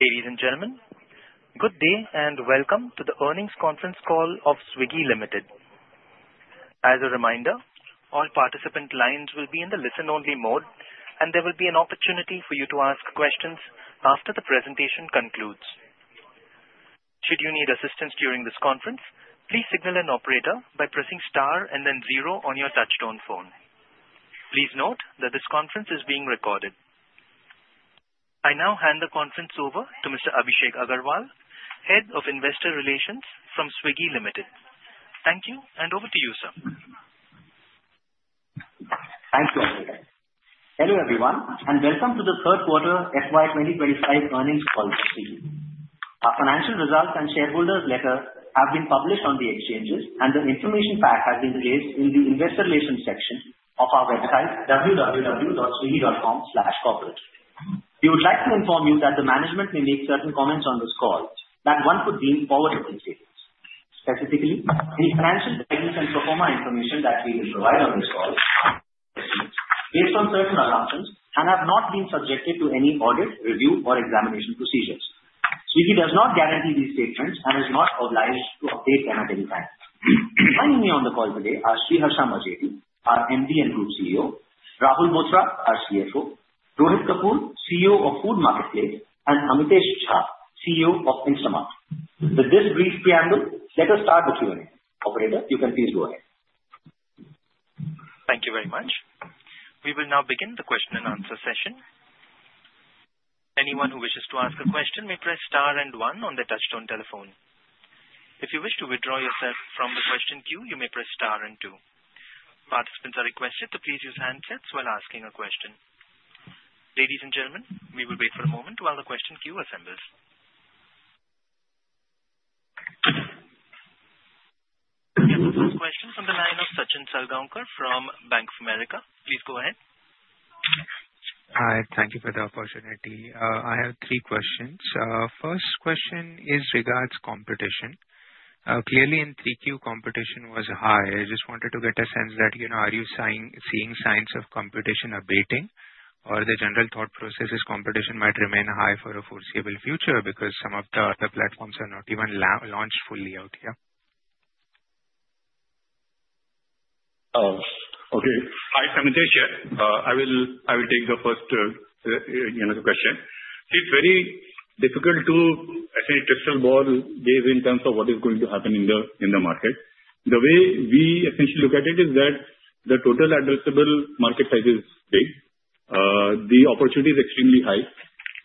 Ladies and gentlemen, good day and welcome to the earnings conference call of Swiggy Limited. As a reminder, all participant lines will be in the listen-only mode, and there will be an opportunity for you to ask questions after the presentation concludes. Should you need assistance during this conference, please signal an operator by pressing star and then zero on your touch-tone phone. Please note that this conference is being recorded. I now hand the conference over to Mr. Abhishek Agarwal, Head of Investor Relations from Swiggy Limited. Thank you, and over to you, sir. Thank you, Amitesh. Hello everyone, and welcome to the third quarter FY 2025 earnings call for Swiggy. Our financial results and shareholders' letters have been published on the exchanges, and the information pack has been placed in the investor relations section of our website, www.swiggy.com/corporate. We would like to inform you that the management may make certain comments on this call that one could deem forward-looking statements. Specifically, the financial statements and pro forma information that we will provide on this call are based on certain assumptions and have not been subjected to any audit, review, or examination procedures. Swiggy does not guarantee these statements and is not obliged to update them at any time. Joining me on the call today are Sriharsha Majety, our MD and Group CEO; Rahul Bothra, our CFO; Rohit Kapoor, CEO of Food Marketplace; and Amitesh Jha, CEO of Instamart. With this brief preamble, let us start the Q&A. Operator, you can please go ahead. Thank you very much. We will now begin the question and answer session. Anyone who wishes to ask a question may press star and one on the touch-tone telephone. If you wish to withdraw yourself from the question queue, you may press star and two. Participants are requested to please use handsets while asking a question. Ladies and gentlemen, we will wait for a moment while the question queue assembles. We have the first question from the line of Sachin Salgaonkar from Bank of America. Please go ahead. Hi, thank you for the opportunity. I have three questions. First question is regarding competition. Clearly, in Q3, competition was high. I just wanted to get a sense that, are you seeing signs of competition abating, or the general thought process is competition might remain high for a foreseeable future because some of the platforms are not even launched fully out yet? Okay. Hi, I'm Amitesh Jha. I will take the first question. It's very difficult to essentially touch the ball in terms of what is going to happen in the market. The way we essentially look at it is that the total addressable market size is big. The opportunity is extremely high.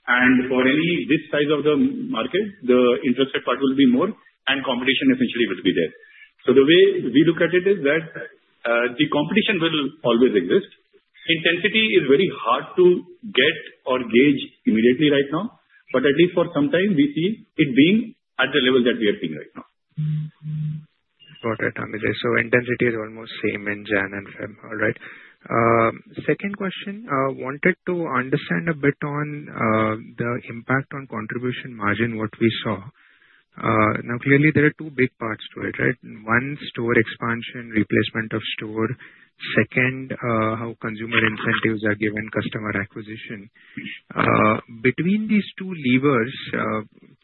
And for any this size of the market, the interested parties will be more, and competition essentially will be there. So the way we look at it is that the competition will always exist. Intensity is very hard to get or gauge immediately right now, but at least for some time, we see it being at the level that we are seeing right now. Got it, Amitesh. So intensity is almost same in January and February, all right. Second question, wanted to understand a bit on the impact on contribution margin, what we saw. Now, clearly, there are two big parts to it, right? One, store expansion, replacement of store. Second, how consumer incentives are given, customer acquisition. Between these two levers,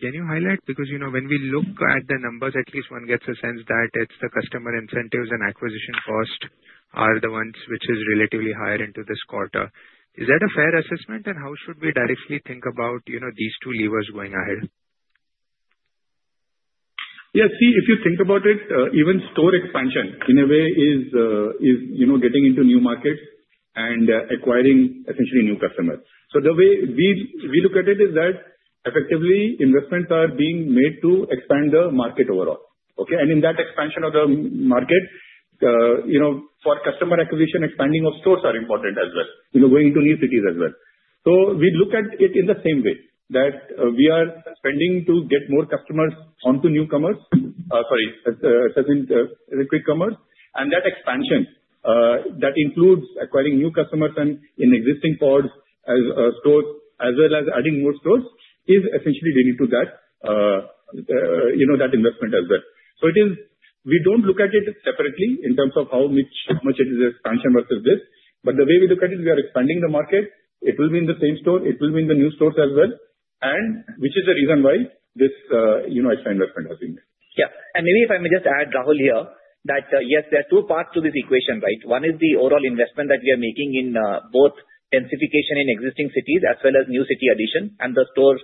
can you highlight, because when we look at the numbers, at least one gets a sense that it's the customer incentives and acquisition cost are the ones which are relatively higher into this quarter. Is that a fair assessment, and how should we directly think about these two levers going ahead? Yes, see, if you think about it, even store expansion in a way is getting into new markets and acquiring essentially new customers. So the way we look at it is that effectively investments are being made to expand the market overall. Okay? In that expansion of the market, for customer acquisition, expanding of stores are important as well, going into new cities as well. We look at it in the same way that we are spending to get more customers onto newcomers, sorry, quickcomers, and that expansion that includes acquiring new customers and in existing pods as well as adding more stores is essentially leading to that investment as well. We don't look at it separately in terms of how much it is expansion versus this, but the way we look at it, we are expanding the market. It will be in the same store. It will be in the new stores as well, which is the reason why this extra investment has been made. Yeah. And maybe if I may just add, Rahul here, that yes, there are two parts to this equation, right? One is the overall investment that we are making in both densification in existing cities as well as new city addition and the store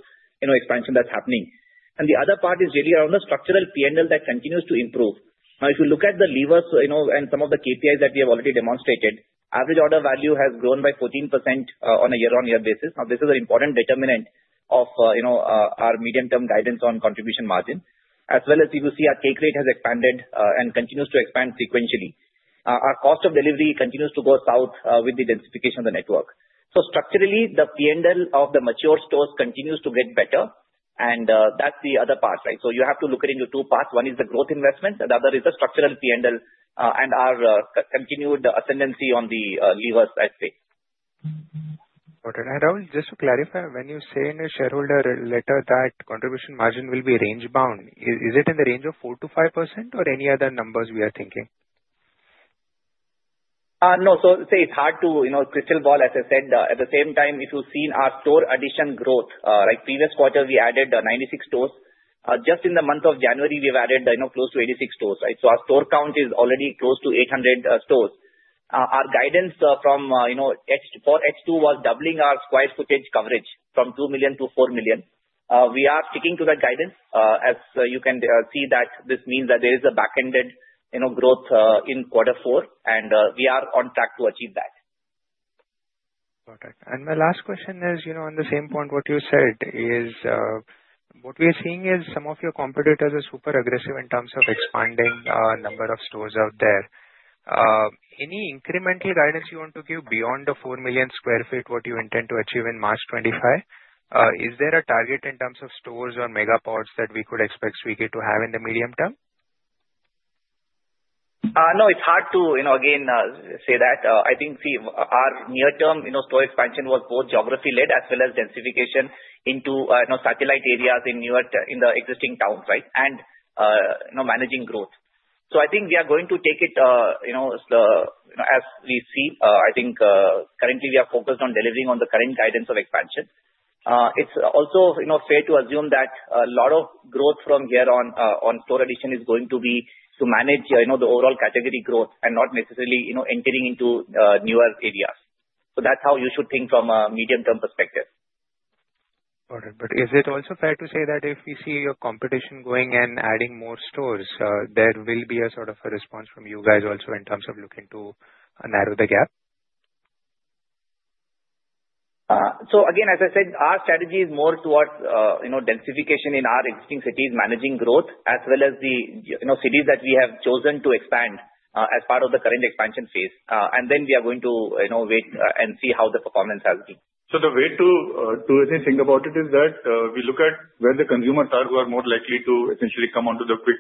expansion that's happening. And the other part is really around the structural P&L that continues to improve. Now, if you look at the levers and some of the KPIs that we have already demonstrated, average order value has grown by 14% on a year-on-year basis. Now, this is an important determinant of our medium-term guidance on contribution margin, as well as you will see our take rate has expanded and continues to expand sequentially. Our cost of delivery continues to go south with the densification of the network. So structurally, the P&L of the mature stores continues to get better, and that's the other part, right? So you have to look at it into two parts. One is the growth investment, and the other is the structural P&L and our continued ascendancy on the levers, I'd say. Got it, and Rahul, just to clarify, when you say in your shareholder letter that contribution margin will be range-bound, is it in the range of 4% to 5% or any other numbers we are thinking? No. So say it's hard to crystal ball, as I said. At the same time, if you've seen our store addition growth, like previous quarter, we added 96 stores. Just in the month of January, we've added close to 86 stores, right? So our store count is already close to 800 stores. Our guidance from for H2 was doubling our square footage coverage from 2 million to 4 million. We are sticking to that guidance. As you can see, this means that there is a back-ended growth in quarter four, and we are on track to achieve that. Perfect. And my last question is, on the same point, what you said is what we are seeing is some of your competitors are super aggressive in terms of expanding the number of stores out there. Any incremental guidance you want to give beyond the 4 million sq ft, what you intend to achieve in March 2025? Is there a target in terms of stores or mega pods that we could expect Swiggy to have in the medium term? No, it's hard to, again, say that. I think, see, our near-term store expansion was both geography-led as well as densification into satellite areas in the existing towns, right, and managing growth. So I think we are going to take it as we see. I think currently we are focused on delivering on the current guidance of expansion. It's also fair to assume that a lot of growth from here on store addition is going to be to manage the overall category growth and not necessarily entering into newer areas. So that's how you should think from a medium-term perspective. Got it. But is it also fair to say that if we see your competition going and adding more stores, there will be a sort of a response from you guys also in terms of looking to narrow the gap? So again, as I said, our strategy is more towards densification in our existing cities, managing growth, as well as the cities that we have chosen to expand as part of the current expansion phase. And then we are going to wait and see how the performance has been. So the way to really think about it is that we look at where the consumers are who are more likely to essentially come onto the quick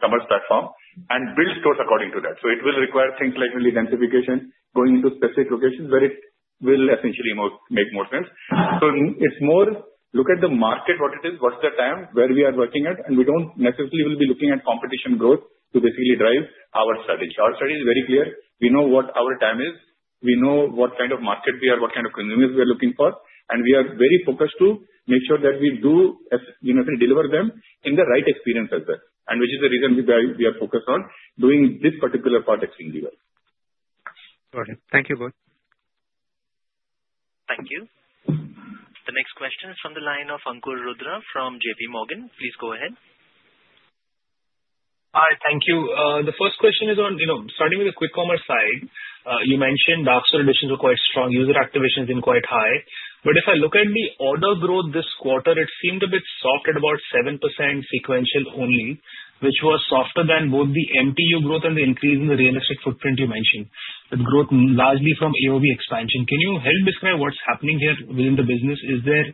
commerce platform and build stores according to that. So it will require things like really densification, going into specific locations where it will essentially make more sense. So it's more look at the market, what it is, what's the time where we are working at, and we don't necessarily will be looking at competition growth to basically drive our strategy. Our strategy is very clear. We know what our time is. We know what kind of market we are, what kind of consumers we are looking for, and we are very focused to make sure that we do deliver them in the right experience as well. And which is the reason why we are focused on doing this particular part extremely well. Got it. Thank you both. Thank you. The next question is from the line of Ankur Rudra from J.P. Morgan. Please go ahead. Hi, thank you. The first question is on starting with the quick commerce side. You mentioned dark store additions were quite strong. User activation has been quite high. But if I look at the order growth this quarter, it seemed a bit soft at about 7% sequential only, which was softer than both the MTU growth and the increase in the real estate footprint you mentioned, with growth largely from AOV expansion. Can you help describe what's happening here within the business? Is there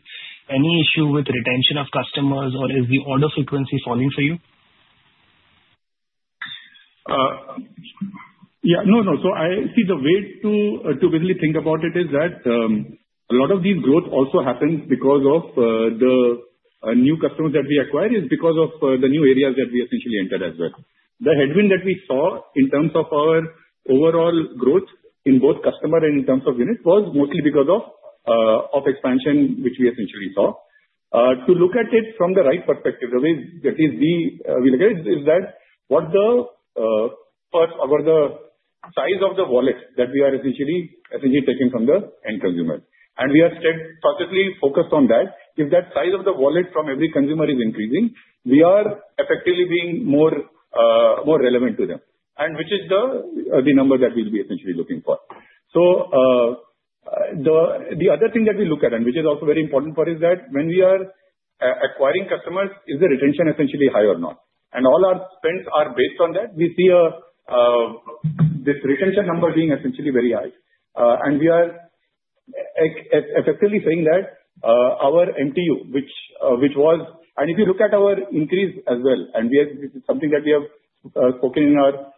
any issue with retention of customers, or is the order frequency falling for you? Yeah. No, no. So I see the way to basically think about it is that a lot of this growth also happens because of the new customers that we acquire is because of the new areas that we essentially entered as well. The headwind that we saw in terms of our overall growth in both customer and in terms of unit was mostly because of expansion, which we essentially saw. To look at it from the right perspective, the way that we look at it is that what the size of the wallet that we are essentially taking from the end consumer, and we are steadfastly focused on that. If that size of the wallet from every consumer is increasing, we are effectively being more relevant to them, which is the number that we'll be essentially looking for. The other thing that we look at, and which is also very important for us, is that when we are acquiring customers, is the retention essentially high or not? And all our spends are based on that. We see this retention number being essentially very high. And we are effectively saying that our MTU, which was, and if you look at our increase as well, and this is something that we have spoken in our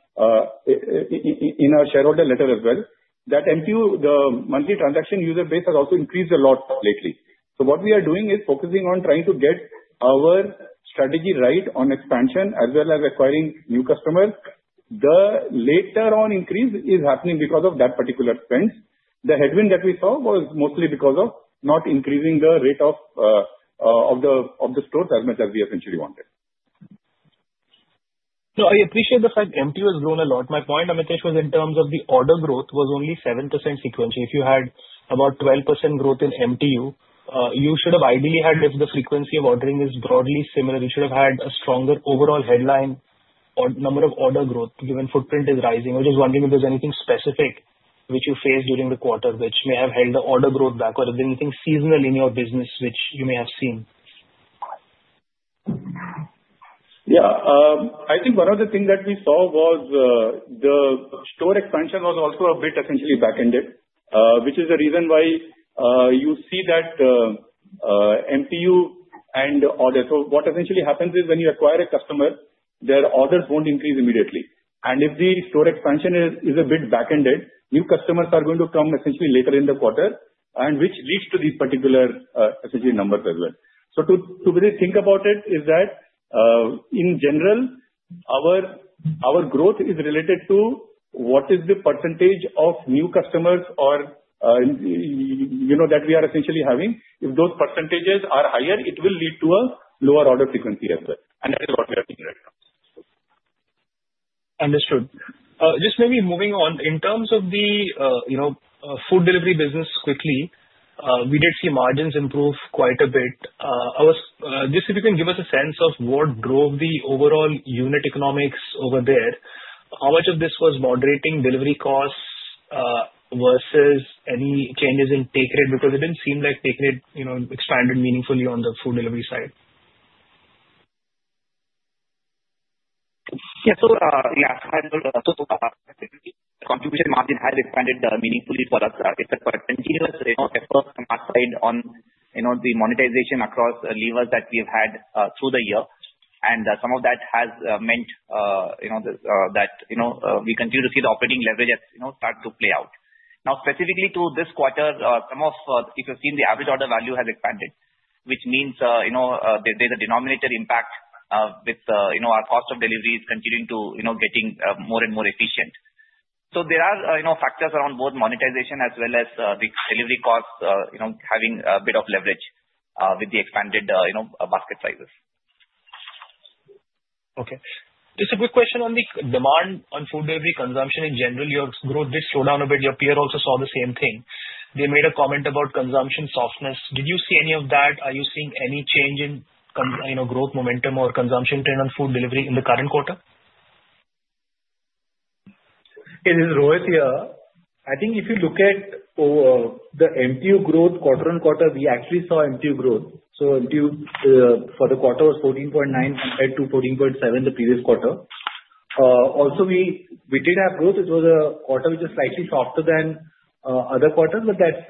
shareholder letter as well, that MTU, the monthly transacting user base has also increased a lot lately. What we are doing is focusing on trying to get our strategy right on expansion as well as acquiring new customers. The later-on increase is happening because of that particular spend. The headwind that we saw was mostly because of not increasing the rate of the stores as much as we essentially wanted. So I appreciate the fact MTU has grown a lot. My point, Amitesh, was in terms of the order growth was only 7% sequentially. If you had about 12% growth in MTU, you should have ideally had, if the frequency of ordering is broadly similar, you should have had a stronger overall headline or number of order growth given footprint is rising. I'm just wondering if there's anything specific which you faced during the quarter which may have held the order growth back, or is there anything seasonal in your business which you may have seen? Yeah. I think one of the things that we saw was the store expansion was also a bit essentially back-ended, which is the reason why you see that MTU and order. So what essentially happens is when you acquire a customer, their orders won't increase immediately. And if the store expansion is a bit back-ended, new customers are going to come essentially later in the quarter, which leads to these particular essentially numbers as well. So to really think about it is that in general, our growth is related to what is the percentage of new customers that we are essentially having. If those percentages are higher, it will lead to a lower order frequency as well. And that is what we are seeing right now. Understood. Just maybe moving on, in terms of the food delivery business quickly, we did see margins improve quite a bit. Just if you can give us a sense of what drove the overall unit economics over there, how much of this was moderating delivery costs versus any changes in take rate? Because it didn't seem like take rate expanded meaningfully on the food delivery side. Yeah. So yeah, so the contribution margin has expanded meaningfully for us. It's a continuous effort from our side on the monetization across levers that we have had through the year. And some of that has meant that we continue to see the operating leverage start to play out. Now, specifically to this quarter, some of, if you've seen, the average order value has expanded, which means there's a denominator impact with our cost of deliveries continuing to getting more and more efficient. So there are factors around both monetization as well as the delivery costs having a bit of leverage with the expanded basket sizes. Okay. Just a quick question on the demand on food delivery consumption in general. Your growth did slow down a bit. Your peer also saw the same thing. They made a comment about consumption softness. Did you see any of that? Are you seeing any change in growth momentum or consumption trend on food delivery in the current quarter? It is Rohit here. I think if you look at the MTU growth quarter on quarter, we actually saw MTU growth. So MTU for the quarter was 14.9 compared to 14.7 the previous quarter. Also, we did have growth. It was a quarter which was slightly softer than other quarters, but that's,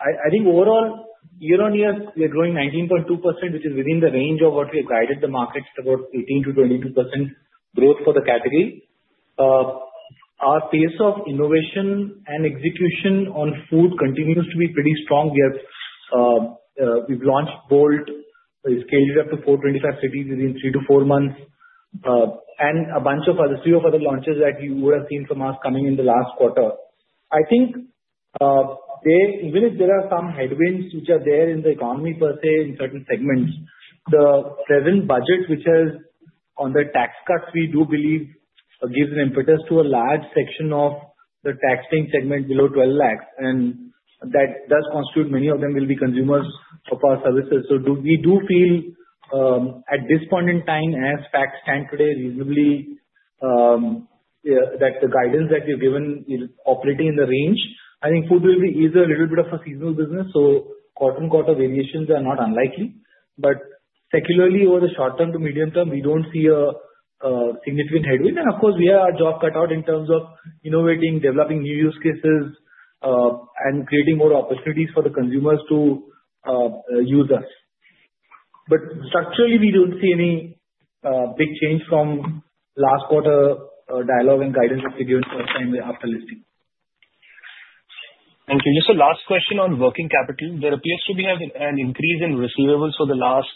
I think overall, year on year, we are growing 19.2%, which is within the range of what we have guided the markets to about 18%-22% growth for the category. Our pace of innovation and execution on food continues to be pretty strong. We've launched Bolt, scaled it up to 425 cities within three to four months, and a bunch of other three or four other launches that you would have seen from us coming in the last quarter. I think even if there are some headwinds which are there in the economy per se in certain segments, the present budget, which has on the tax cuts, we do believe gives an impetus to a large section of the taxing segment below 12 lakhs, and that does constitute many of them will be consumers of our services, so we do feel at this point in time, as facts stand today, reasonably that the guidance that we've given is operating in the range. I think food delivery is a little bit of a seasonal business, so quarter on quarter variations are not unlikely, but secularly over the short term to medium term, we don't see a significant headwind, and of course, we have our work cut out in terms of innovating, developing new use cases, and creating more opportunities for the consumers to use us. But structurally, we don't see any big change from last quarter dialogue and guidance that we're doing first time after listing. Thank you. Just a last question on working capital. There appears to be an increase in receivables for the last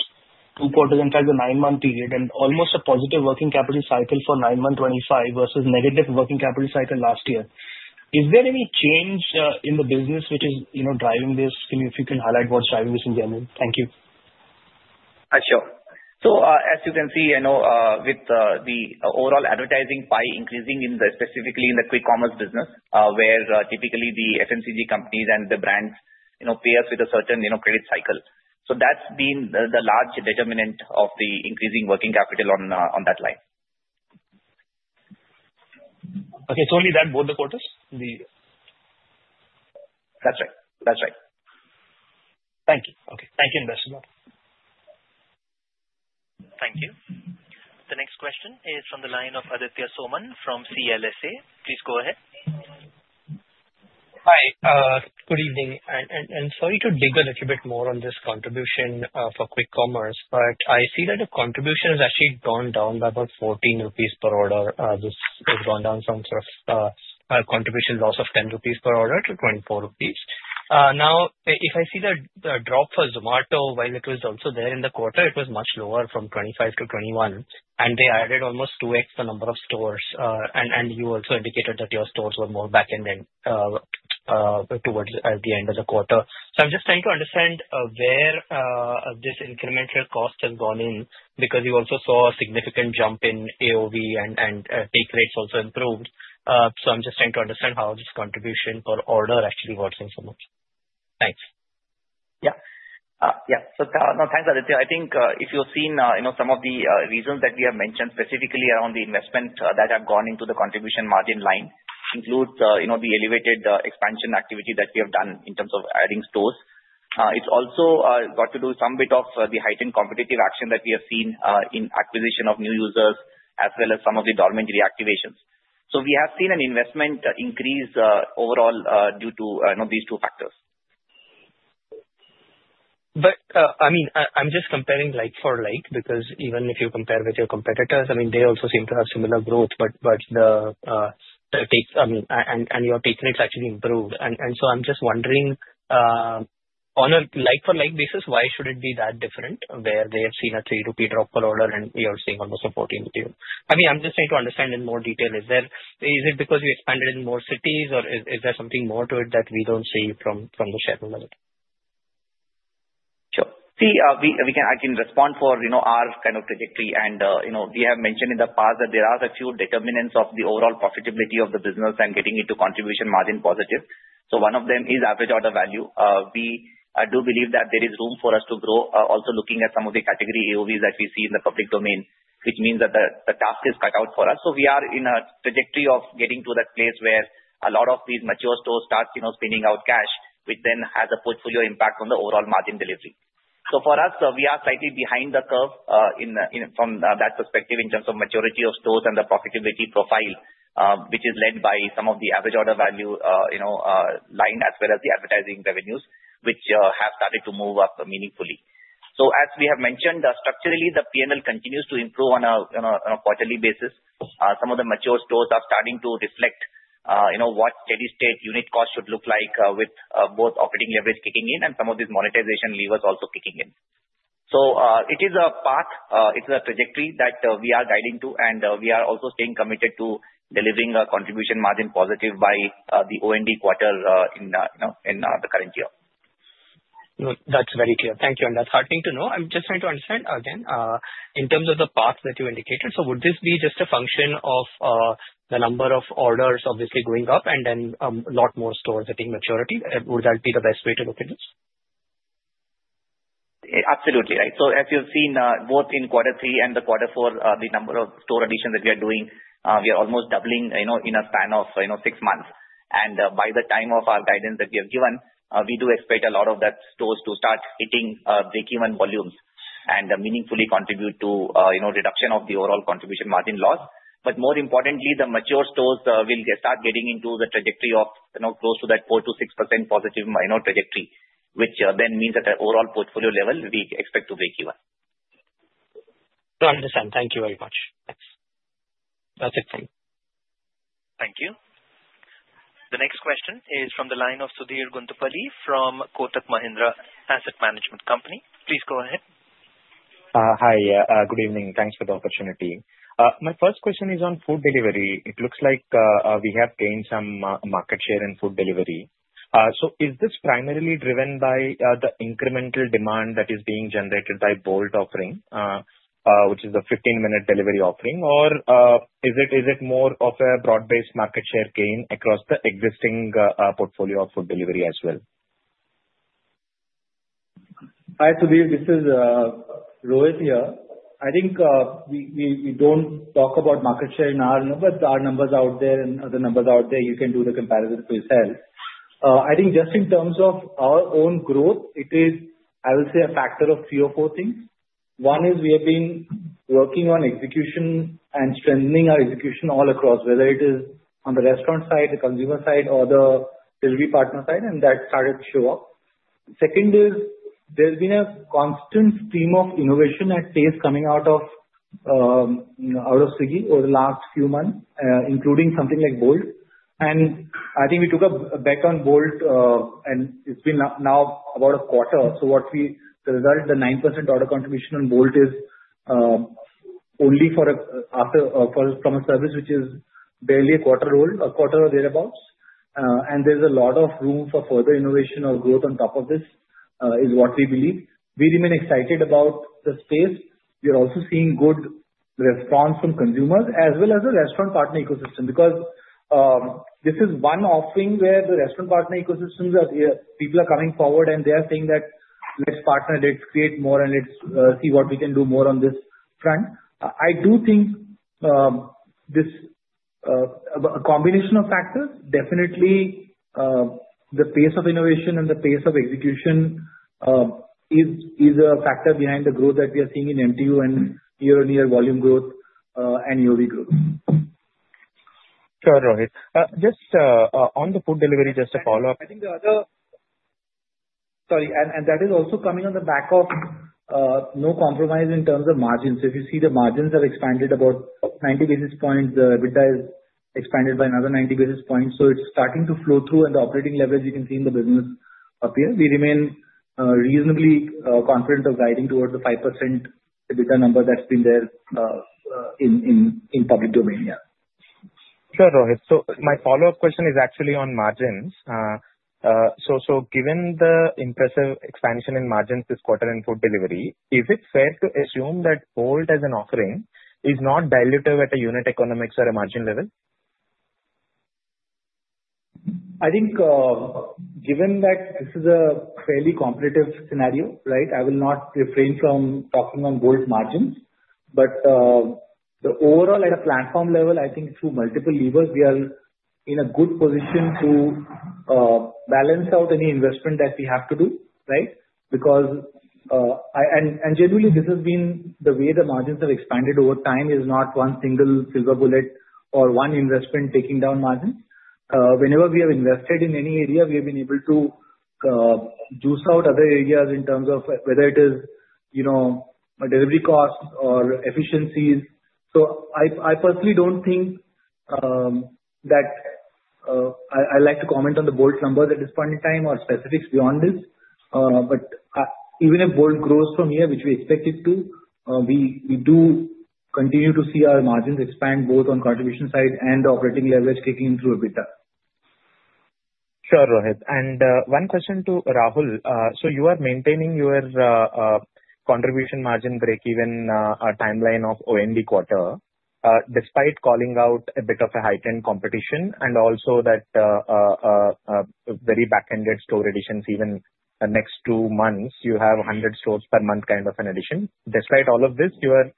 two quarters in terms of nine-month period and almost a positive working capital cycle for nine-month 2025 versus negative working capital cycle last year. Is there any change in the business which is driving this? If you can highlight what's driving this in general. Thank you. Sure. So as you can see, with the overall advertising pie increasing specifically in the quick commerce business, where typically the FMCG companies and the brands pair with a certain credit cycle. So that's been the large determinant of the increasing working capital on that line. Okay. It's only that, both the quarters? That's right. That's right. Thank you. Okay. Thank you, Amitesh Jha. Thank you. The next question is from the line of Aditya Soman from CLSA. Please go ahead. Hi. Good evening, and sorry to dig a little bit more on this contribution for quick commerce, but I see that the contribution has actually gone down by about ₹14 per order. This has gone down from sort of contribution loss of ₹10 per order to ₹24. Now, if I see the drop for Zomato, while it was also there in the quarter, it was much lower from 25 to 21, and they added almost 2x the number of stores. And you also indicated that your stores were more back-ended towards the end of the quarter. So I'm just trying to understand where this incremental cost has gone in because we also saw a significant jump in AOV and take rates also improved. So I'm just trying to understand how this contribution per order actually works in so much. Thanks. Yeah. Yeah. So thanks, Aditya. I think if you've seen some of the reasons that we have mentioned specifically around the investment that have gone into the contribution margin line includes the elevated expansion activity that we have done in terms of adding stores. It's also got to do with some bit of the heightened competitive action that we have seen in acquisition of new users as well as some of the dormant reactivations. So we have seen an investment increase overall due to these two factors. But I mean, I'm just comparing like for like because even if you compare with your competitors, I mean, they also seem to have similar growth, but the take rate and your take rates actually improved. And so I'm just wondering, on a like-for-like basis, why should it be that different where they have seen an 3 rupee drop per order and you're seeing almost a 14 rupee? I mean, I'm just trying to understand in more detail. Is it because you expanded in more cities, or is there something more to it that we don't see from the shareholder? Sure. See, I can respond for our kind of trajectory. And we have mentioned in the past that there are a few determinants of the overall profitability of the business and getting into contribution margin positive. So one of them is average order value. We do believe that there is room for us to grow, also looking at some of the category AOVs that we see in the public domain, which means that the task is cut out for us. So we are in a trajectory of getting to that place where a lot of these mature stores start spinning out cash, which then has a portfolio impact on the overall margin delivery. So for us, we are slightly behind the curve from that perspective in terms of maturity of stores and the profitability profile, which is led by some of the average order value line as well as the advertising revenues, which have started to move up meaningfully. So as we have mentioned, structurally, the P&L continues to improve on a quarterly basis. Some of the mature stores are starting to reflect what steady-state unit cost should look like with both operating leverage kicking in and some of these monetization levers also kicking in. So it is a path. It's a trajectory that we are guiding to, and we are also staying committed to delivering a contribution margin positive by the OND quarter in the current year. That's very clear. Thank you. And that's heartening to know. I'm just trying to understand again, in terms of the path that you indicated, so would this be just a function of the number of orders obviously going up and then a lot more stores hitting maturity? Would that be the best way to look at this? Absolutely. Right, so as you've seen, both in quarter three and the quarter four, the number of store additions that we are doing, we are almost doubling in a span of six months, and by the time of our guidance that we have given, we do expect a lot of that stores to start hitting break-even volumes and meaningfully contribute to reduction of the overall contribution margin loss, but more importantly, the mature stores will start getting into the trajectory of close to that 4%-6% positive trajectory, which then means that the overall portfolio level will be expected to break even. I understand. Thank you very much. Thanks. That's it from me. Thank you. The next question is from the line of Sudhir Guntupalli from Kotak Mahindra Asset Management Company. Please go ahead. Hi. Good evening. Thanks for the opportunity. My first question is on food delivery. It looks like we have gained some market share in food delivery. So is this primarily driven by the incremental demand that is being generated by Bolt offering, which is the 15-minute delivery offering, or is it more of a broad-based market share gain across the existing portfolio of food delivery as well? Hi, Sudhir. This is Rohit here. I think we don't talk about market share in our numbers, but our numbers out there and other numbers out there, you can do the comparison for yourself. I think just in terms of our own growth, it is, I would say, a factor of three or four things. One is we have been working on execution and strengthening our execution all across, whether it is on the restaurant side, the consumer side, or the delivery partner side, and that started to show up. Second is there's been a constant stream of innovation at pace coming out of Swiggy over the last few months, including something like Bolt, and I think we took a bet on Bolt, and it's been now about a quarter. The result, the 9% order contribution on Bolt is only from a service which is barely a quarter old, a quarter or thereabouts. And there's a lot of room for further innovation or growth on top of this is what we believe. We remain excited about the space. We are also seeing good response from consumers as well as the restaurant partner ecosystem because this is one offering where the restaurant partner ecosystems are here. People are coming forward, and they are saying that, "Let's partner, let's create more, and let's see what we can do more on this front." I do think this is a combination of factors. Definitely, the pace of innovation and the pace of execution is a factor behind the growth that we are seeing in MTU and year-on-year volume growth and AOV growth. Sure, Rohit. Just on the food delivery, just a follow-up. I think the other. Sorry. And that is also coming on the back of no compromise in terms of margins. So if you see, the margins have expanded about 90 basis points, the EBITDA has expanded by another 90 basis points. So it's starting to flow through, and the operating leverage you can see in the business appears. We remain reasonably confident of guiding towards the 5% EBITDA number that's been there in public domain. Yeah. Sure, Rohit. So my follow-up question is actually on margins. So given the impressive expansion in margins this quarter in food delivery, is it fair to assume that Bolt as an offering is not diluted at a unit economics or a margin level? I think given that this is a fairly competitive scenario, right, I will not refrain from talking on Bolt margins. But the overall, at a platform level, I think through multiple levers, we are in a good position to balance out any investment that we have to do, right? Because and generally, this has been the way the margins have expanded over time is not one single silver bullet or one investment taking down margins. Whenever we have invested in any area, we have been able to juice out other areas in terms of whether it is delivery costs or efficiencies. So I personally don't think that I like to comment on the Bolt numbers at this point in time or specifics beyond this. But even if Bolt grows from here, which we expect it to, we do continue to see our margins expand both on contribution side and operating leverage kicking through EBITDA. Sure, Rohit. And one question to Rahul. So you are maintaining your contribution margin break-even timeline of Q4 despite calling out a bit of a heightened competition and also that very back-ended store additions even next two months, you have 100 stores per month kind of an addition. Despite all of this, you are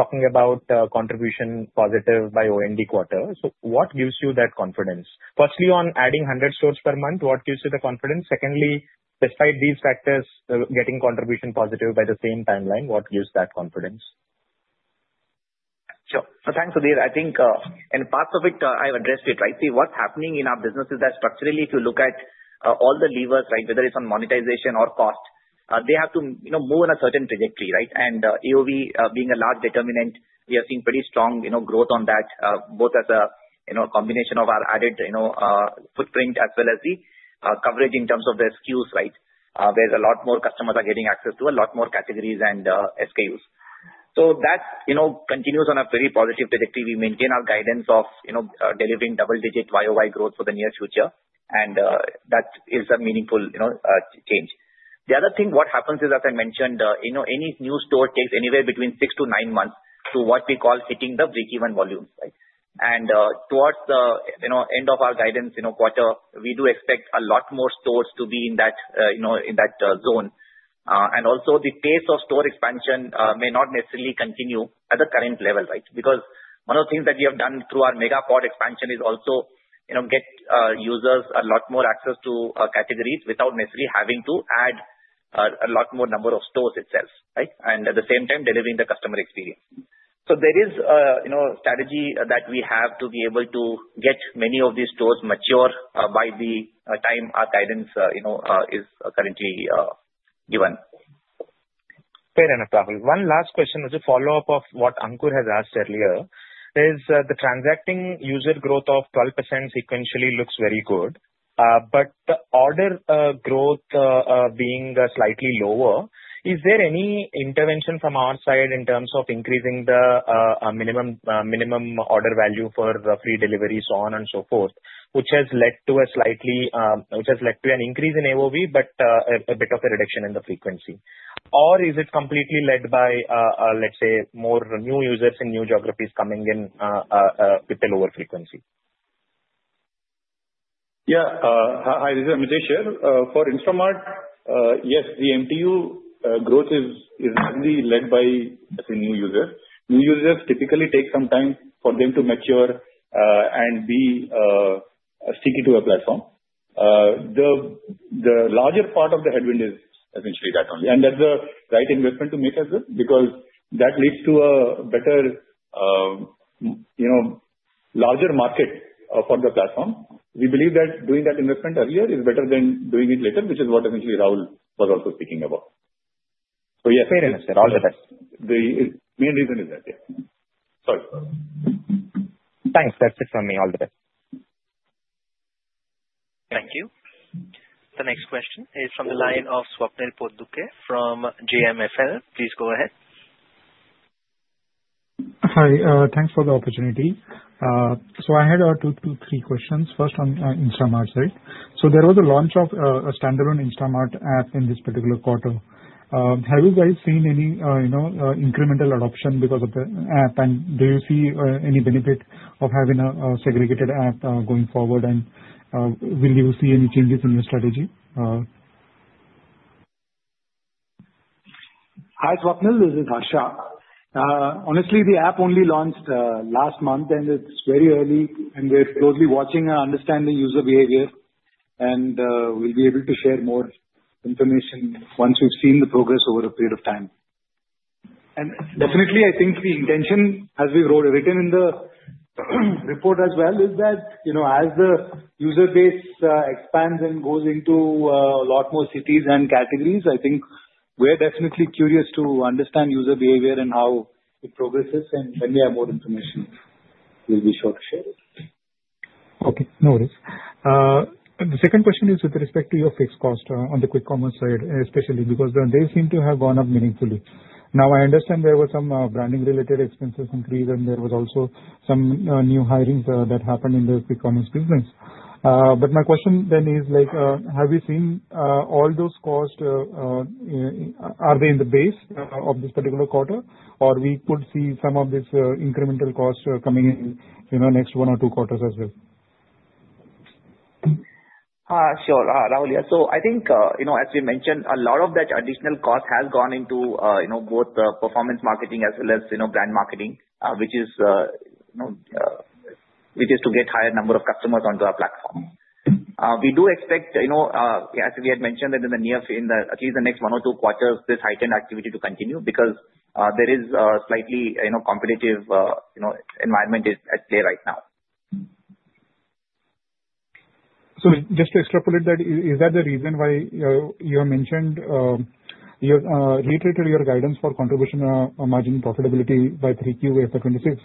talking about contribution positive by Q4. So what gives you that confidence? Firstly, on adding 100 stores per month, what gives you that confidence? Secondly, despite these factors getting contribution positive by the same timeline, what gives that confidence? Sure. So thanks, Sudhir. I think in parts of it, I have addressed it, right? See, what's happening in our business is that structurally, if you look at all the levers, right, whether it's on monetization or cost, they have to move on a certain trajectory, right? And AOV being a large determinant, we have seen pretty strong growth on that, both as a combination of our added footprint as well as the coverage in terms of the SKUs, right, where a lot more customers are getting access to a lot more categories and SKUs. So that continues on a very positive trajectory. We maintain our guidance of delivering double-digit YOY growth for the near future, and that is a meaningful change. The other thing, what happens is, as I mentioned, any new store takes anywhere between six to nine months to what we call hitting the break-even volumes, right? Towards the end of our guidance quarter, we do expect a lot more stores to be in that zone. Also, the pace of store expansion may not necessarily continue at the current level, right? Because one of the things that we have done through our Mega Pod expansion is also get users a lot more access to categories without necessarily having to add a lot more number of stores itself, right? At the same time, delivering the customer experience. There is a strategy that we have to be able to get many of these stores mature by the time our guidance is currently given. Fair enough, Rahul. One last question as a follow-up of what Ankur has asked earlier is the transacting user growth of 12% sequentially looks very good, but the order growth being slightly lower, is there any intervention from our side in terms of increasing the minimum order value for free deliveries, so on and so forth, which has led to an increase in AOV, but a bit of a reduction in the frequency? Or is it completely led by, let's say, more new users in new geographies coming in with the lower frequency? Yeah. Hi, this is Amitesh here for Instamart. Yes, the MTU growth is largely led by, as in, new users. New users typically take some time for them to mature and be sticky to a platform. The larger part of the headwind is essentially that only. And that's the right investment to make as well because that leads to a better, larger market for the platform. We believe that doing that investment earlier is better than doing it later, which is what essentially Rahul was also speaking about. So yes. Fair enough. All the best. The main reason is that. Yeah. Sorry. Thanks. That's it from me. All the best. Thank you. The next question is from the line of Swapnil Potdukhe from JMFL. Please go ahead. Hi. Thanks for the opportunity. So I had two or three questions. First, on Instamart side. So there was a launch of a standalone Instamart app in this particular quarter. Have you guys seen any incremental adoption because of the app? And do you see any benefit of having a segregated app going forward? And will you see any changes in your strategy? Hi, Swapnil. This is Harsha. Honestly, the app only launched last month, and it's very early. And we're closely watching and understanding user behavior. And we'll be able to share more information once we've seen the progress over a period of time. And definitely, I think the intention, as we've written in the report as well, is that as the user base expands and goes into a lot more cities and categories, I think we're definitely curious to understand user behavior and how it progresses. And when we have more information, we'll be sure to share it. Okay. No worries. The second question is with respect to your fixed cost on the quick commerce side, especially because they seem to have gone up meaningfully. Now, I understand there were some branding-related expenses increased, and there was also some new hirings that happened in the quick commerce business. But my question then is, have you seen all those costs? Are they in the base of this particular quarter? Or we could see some of this incremental cost coming in next one or two quarters as well? Sure, Rahul. Yeah. So I think, as we mentioned, a lot of that additional cost has gone into both performance marketing as well as brand marketing, which is to get a higher number of customers onto our platform. We do expect, as we had mentioned, that in the near future, at least the next one or two quarters, this heightened activity to continue because there is a slightly competitive environment at play right now. So just to extrapolate that, is that the reason why you mentioned you reiterated your guidance for contribution margin profitability by 3Q, April 2026?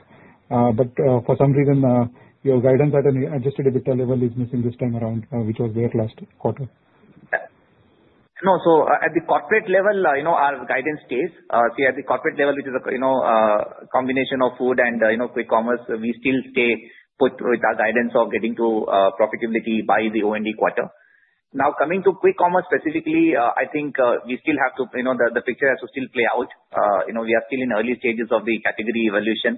But for some reason, your guidance at an Adjusted EBITDA level is missing this time around, which was there last quarter. No, so at the corporate level, our guidance stays. See, at the corporate level, which is a combination of food and quick commerce, we still stay put with our guidance of getting to profitability by the Q4. Now, coming to quick commerce specifically, I think we still have to. The picture has to still play out. We are still in early stages of the category evolution.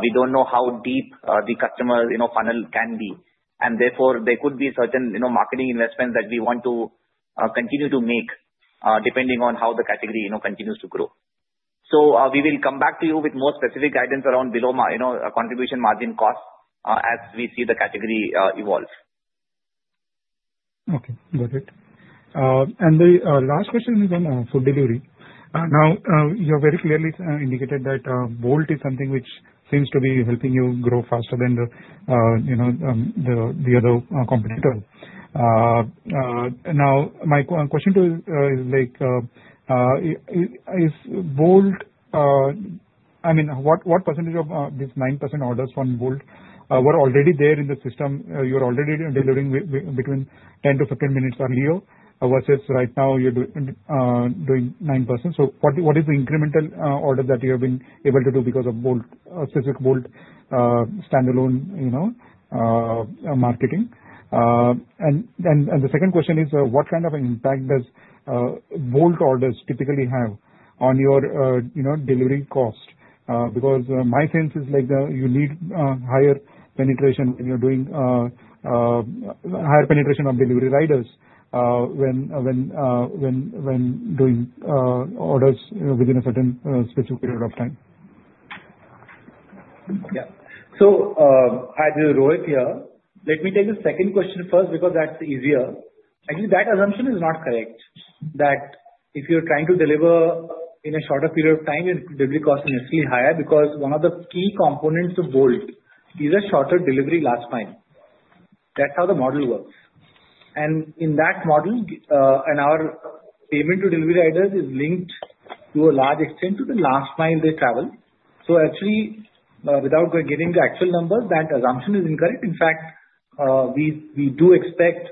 We don't know how deep the customer funnel can be. And therefore, there could be certain marketing investments that we want to continue to make depending on how the category continues to grow. So we will come back to you with more specific guidance around below contribution margin cost as we see the category evolve. Okay. Got it. And the last question is on food delivery. Now, you have very clearly indicated that Bolt is something which seems to be helping you grow faster than the other competitor. Now, my question to you is, is Bolt I mean, what percentage of these 9% orders from Bolt were already there in the system? You're already delivering between 10-15 minutes earlier versus right now you're doing 9%. So what is the incremental order that you have been able to do because of Bolt, specific Bolt standalone marketing? And the second question is, what kind of an impact does Bolt orders typically have on your delivery cost? Because my sense is you need higher penetration when you're doing higher penetration of delivery riders when doing orders within a certain specific period of time. Yeah. So as you wrote here, let me take the second question first because that's easier. Actually, that assumption is not correct that if you're trying to deliver in a shorter period of time, your delivery cost is necessarily higher because one of the key components of Bolt, these are shorter delivery last mile. That's how the model works. And in that model, our payment to delivery riders is linked to a large extent to the last mile they travel. So actually, without giving the actual numbers, that assumption is incorrect. In fact, we do expect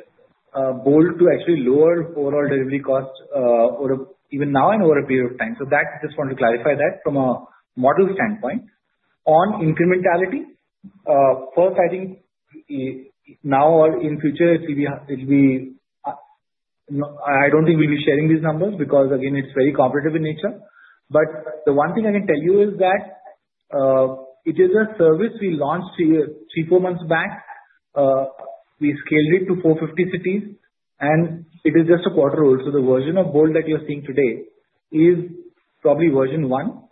Bolt to actually lower overall delivery cost even now and over a period of time. So that I just want to clarify that from a model standpoint on incrementality. First, I think now or in future, it'll be I don't think we'll be sharing these numbers because, again, it's very competitive in nature. But the one thing I can tell you is that it is a service we launched three or four months back. We scaled it to 450 cities, and it is just a quarter old. So the version of Bolt that you're seeing today is probably version one.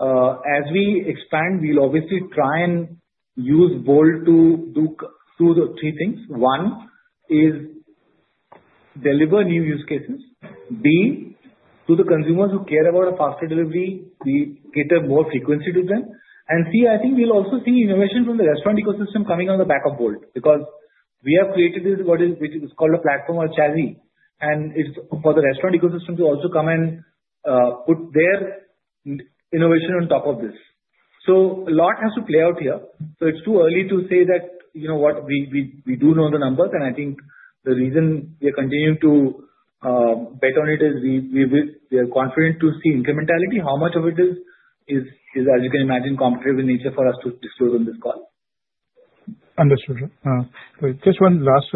As we expand, we'll obviously try and use Bolt to do two or three things. One is deliver new use cases. B, to the consumers who care about a faster delivery, we cater more frequency to them. And C, I think we'll also see innovation from the restaurant ecosystem coming on the back of Bolt because we have created what is called a platform or chassis. And it's for the restaurant ecosystem to also come and put their innovation on top of this. So a lot has to play out here. So it's too early to say that we do know the numbers. I think the reason we are continuing to bet on it is we are confident to see incrementality. How much of it is, as you can imagine, competitive in nature for us to disclose on this call. Understood. Just one last,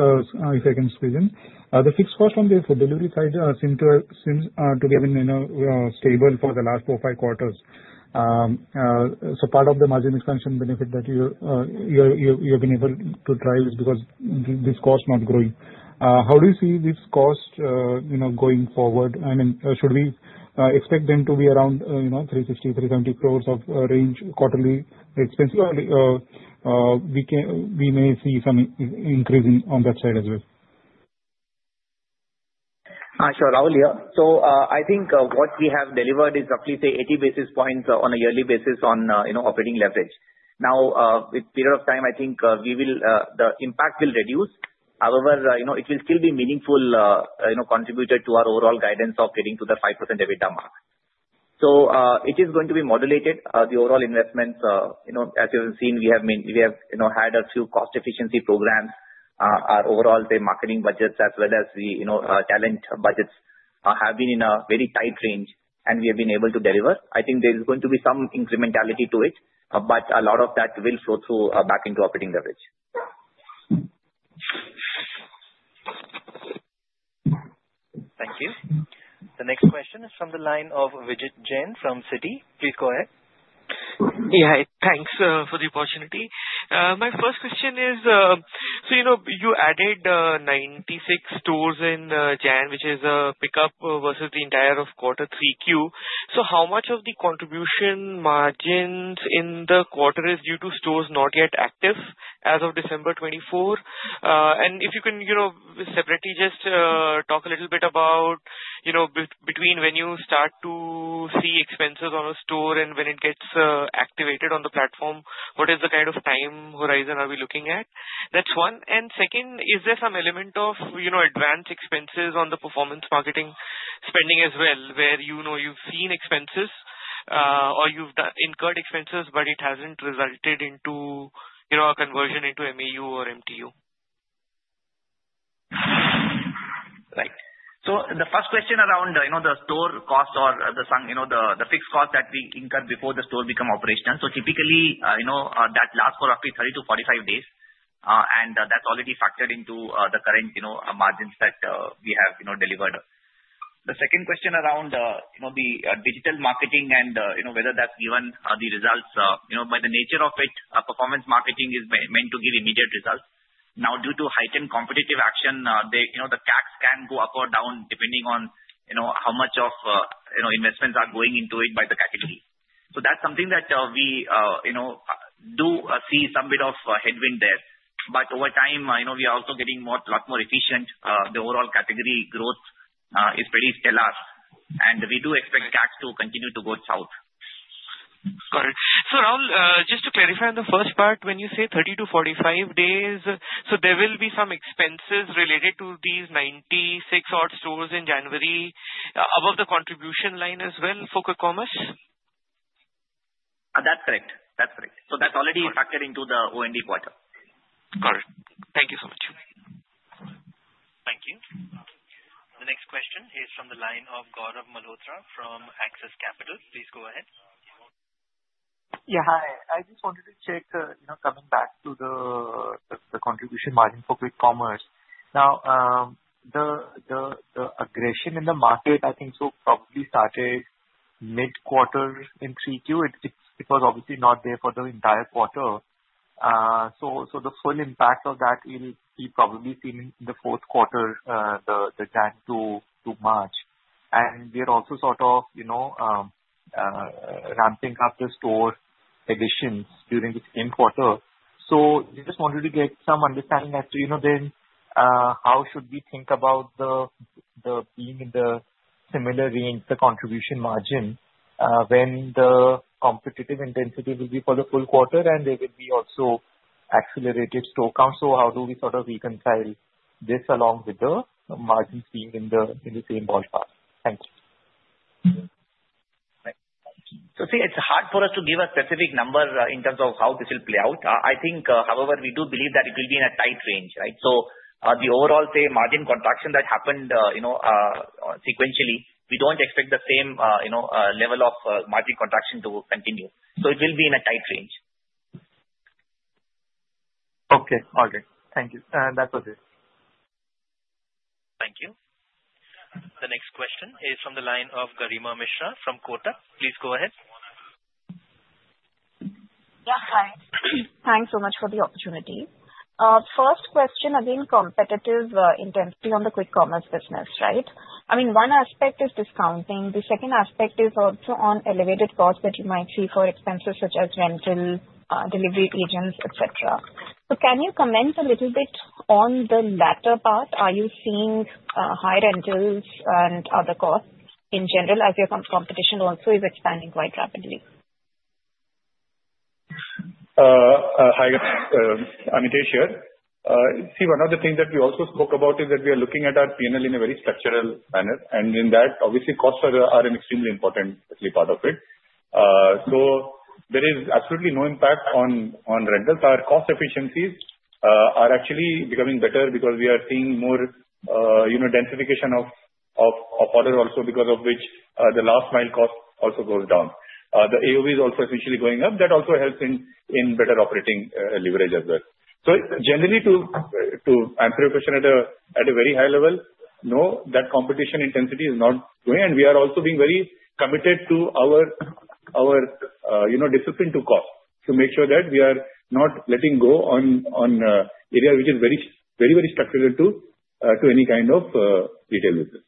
if I can squeeze in. The fixed cost on the delivery side seems to be stable for the last four or five quarters. So part of the margin expansion benefit that you've been able to drive is because this cost is not growing. How do you see this cost going forward? I mean, should we expect them to be around 360-370 crores of range quarterly expenses? Or we may see some increasing on that side as well? Sure, Rahul. Yeah. So I think what we have delivered is roughly say 80 basis points on a yearly basis on operating leverage. Now, with period of time, I think the impact will reduce. However, it will still be a meaningful contributor to our overall guidance of getting to the 5% EBITDA mark. So it is going to be modulated, the overall investments. As you have seen, we have had a few cost efficiency programs. Our overall marketing budgets as well as the talent budgets have been in a very tight range, and we have been able to deliver. I think there is going to be some incrementality to it, but a lot of that will flow back into operating leverage. Thank you. The next question is from the line of Vijit Jain from Citi. Please go ahead. Yeah. Thanks for the opportunity. My first question is, so you added 96 stores in January, which is a pickup versus the entire quarter 3Q. So how much of the contribution margins in the quarter is due to stores not yet active as of December 24? And if you can separately just talk a little bit about between when you start to see expenses on a store and when it gets activated on the platform, what is the kind of time horizon are we looking at? That's one. And second, is there some element of advanced expenses on the performance marketing spending as well where you've seen expenses or you've incurred expenses, but it hasn't resulted in a conversion into MAU or MTU? Right, so the first question around the store cost or the fixed cost that we incur before the store becomes operational, so typically, that lasts for roughly 30-45 days, and that's already factored into the current margins that we have delivered. The second question around the digital marketing and whether that's given the results. By the nature of it, performance marketing is meant to give immediate results. Now, due to heightened competitive action, the CACs can go up or down depending on how much of investments are going into it by the category, so that's something that we do see some bit of headwind there, but over time, we are also getting a lot more efficient. The overall category growth is pretty stellar, and we do expect CACs to continue to go south. Got it. So Rahul, just to clarify on the first part, when you say 30 to 45 days, so there will be some expenses related to these 96 odd stores in January above the contribution line as well for quick commerce? That's correct. That's correct. So that's already factored into the OND quarter. Got it. Thank you so much. Thank you. The next question is from the line of Gaurav Malhotra from Axis Capital. Please go ahead. Yeah. Hi. I just wanted to check coming back to the contribution margin for quick commerce. Now, the aggression in the market, I think, probably started mid-quarter in 3Q. It was obviously not there for the entire quarter. So the full impact of that will be probably seen in the fourth quarter, the Jan to March. And we are also sort of ramping up the store additions during the same quarter. So we just wanted to get some understanding as to how should we think about the being in the similar range, the contribution margin, when the competitive intensity will be for the full quarter, and there will be also accelerated store count. So how do we sort of reconcile this along with the margins being in the same ballpark? Thank you. Right. So see, it's hard for us to give a specific number in terms of how this will play out. I think, however, we do believe that it will be in a tight range, right? So the overall, say, margin contraction that happened sequentially, we don't expect the same level of margin contraction to continue. So it will be in a tight range. Okay. All right. Thank you. That was it. Thank you. The next question is from the line of Garima Mishra from Kotak. Please go ahead. Yeah. Hi. Thanks so much for the opportunity. First question, again, competitive intensity on the quick commerce business, right? I mean, one aspect is discounting. The second aspect is also on elevated costs that you might see for expenses such as rental, delivery agents, etc. So can you comment a little bit on the latter part? Are you seeing high rentals and other costs in general as your competition also is expanding quite rapidly? Hi, Amitesh here. See, one of the things that we also spoke about is that we are looking at our P&L in a very structural manner, and in that, obviously, costs are an extremely important part of it. So there is absolutely no impact on rentals. Our cost efficiencies are actually becoming better because we are seeing more densification of orders also because of which the last mile cost also goes down. The AOV is also essentially going up. That also helps in better operating leverage as well, so generally, to answer your question at a very high level, no, that competition intensity is not going, and we are also being very committed to our discipline to cost to make sure that we are not letting go on areas which are very, very structured into any kind of retail business.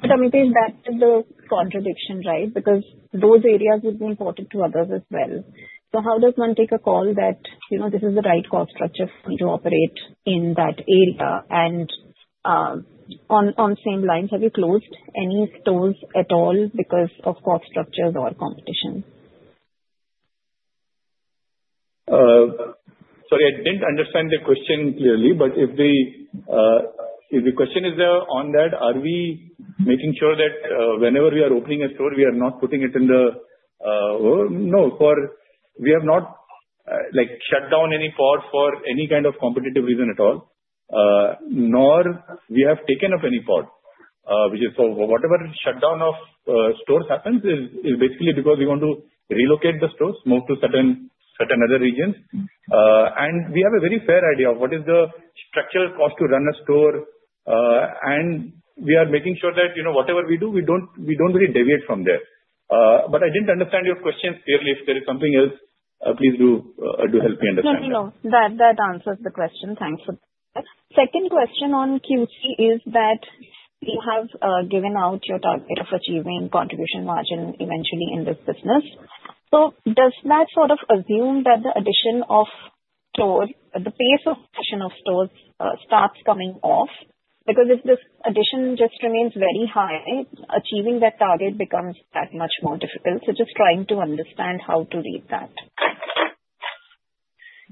But Amitesh, that is the contradiction, right? Because those areas would be important to others as well. So how does one take a call that this is the right cost structure to operate in that area? And on the same lines, have you closed any stores at all because of cost structures or competition? Sorry, I didn't understand the question clearly, but if the question is on that, are we making sure that whenever we are opening a store, we are not putting it in the no? We have not shut down any store for any kind of competitive reason at all, nor have we taken up any store. So whatever shutdown of stores happens is basically because we want to relocate the stores, move to certain other regions. And we have a very fair idea of what is the structural cost to run a store. And we are making sure that whatever we do, we don't really deviate from there. But I didn't understand your question clearly. If there is something else, please do help me understand. No, no, no. That answers the question. Thanks for that. Second question on QC is that you have given out your target of achieving contribution margin eventually in this business. So does that sort of assume that the addition of stores, the pace of addition of stores starts coming off? Because if this addition just remains very high, achieving that target becomes that much more difficult. So just trying to understand how to read that.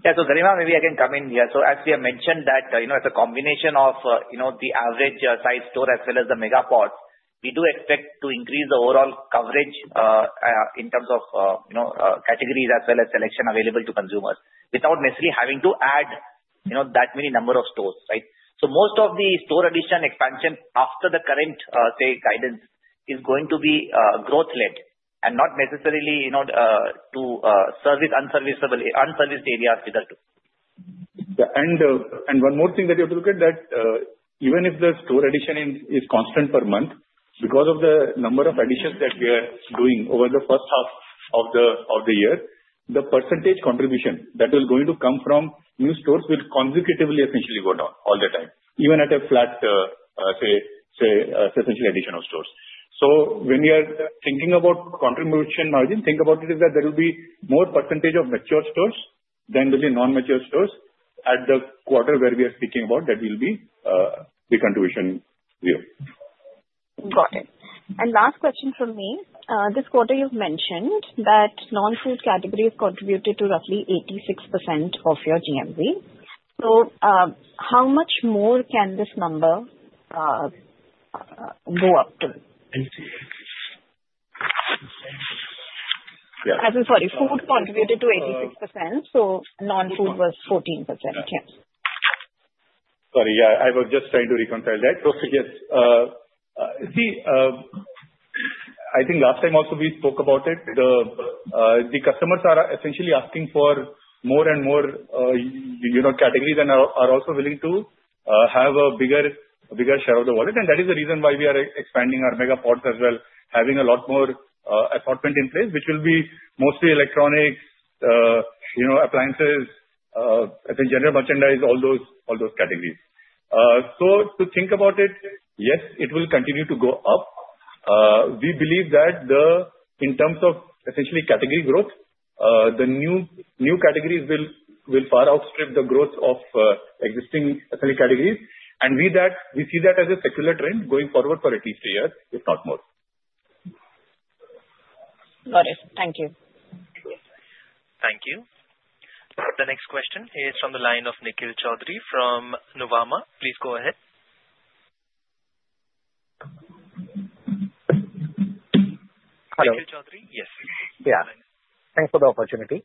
Yeah. So Garima, maybe I can come in here. So as we have mentioned that as a combination of the average size store as well as the mega pods, we do expect to increase the overall coverage in terms of categories as well as selection available to consumers without necessarily having to add that many number of stores, right? So most of the store addition expansion after the current, say, guidance is going to be growth-led and not necessarily to service unserviced areas with that. One more thing that you have to look at: that even if the store addition is constant per month, because of the number of additions that we are doing over the first half of the year, the percentage contribution that is going to come from new stores will consecutively essentially go down all the time, even at a flat, say, essentially addition of stores. So when we are thinking about contribution margin, think about it as that there will be more percentage of mature stores than there will be non-mature stores at the quarter where we are speaking about. That will be the contribution view. Got it. And last question from me. This quarter, you've mentioned that non-food category has contributed to roughly 86% of your GMV. So how much more can this number go up to? Sorry, food contributed to 86%. So non-food was 14%. Yeah. Sorry. Yeah. I was just trying to reconcile that. So yes, see, I think last time also we spoke about it. The customers are essentially asking for more and more categories and are also willing to have a bigger share of the wallet. And that is the reason why we are expanding our mega pods as well, having a lot more assortment in place, which will be mostly electronics, appliances, general merchandise, all those categories. So to think about it, yes, it will continue to go up. We believe that in terms of essentially category growth, the new categories will far outstrip the growth of existing categories. And we see that as a secular trend going forward for at least a year, if not more. Got it. Thank you. Thank you. The next question is from the line of Nikhil Choudhary from Nuvama. Please go ahead. Hello. Nikhil Choudhary, yes. Yeah. Thanks for the opportunity.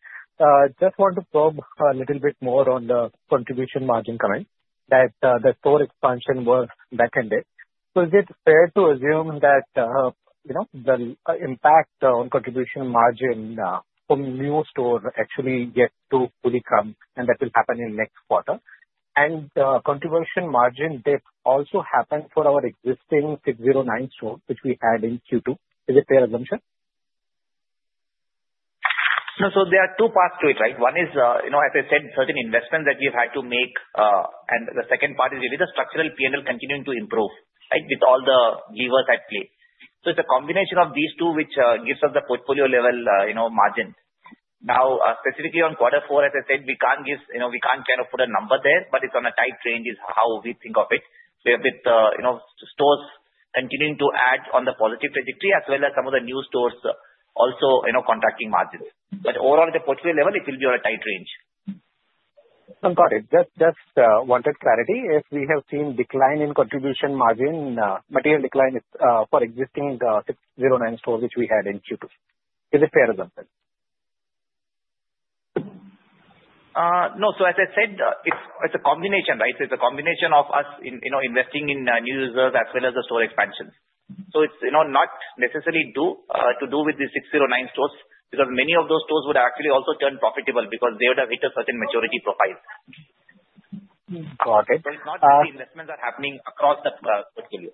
Just want to probe a little bit more on the contribution margin comment that the store expansion was back-ended. So is it fair to assume that the impact on contribution margin from new store actually yet to fully come and that will happen in next quarter? And contribution margin dip also happened for our existing 609 stores, which we had in Q2. Is it fair assumption? So there are two parts to it, right? One is, as I said, certain investments that we have had to make. And the second part is really the structural P&L continuing to improve, right, with all the levers at play. So it's a combination of these two which gives us the portfolio level margin. Now, specifically on quarter four, as I said, we can't kind of put a number there, but it's on a tight range is how we think of it. So with stores continuing to add on the positive trajectory as well as some of the new stores also contracting margins. But overall, at the portfolio level, it will be on a tight range. I'm sorry. Just wanted clarity. If we have seen decline in contribution margin, material decline for existing 609 stores which we had in Q2, is it fair assumption? No. So as I said, it's a combination, right? So it's a combination of us investing in new users as well as the store expansions. So it's not necessarily to do with the 609 stores because many of those stores would actually also turn profitable because they would have hit a certain maturity profile. Got it. So it's not that the investments are happening across the portfolio.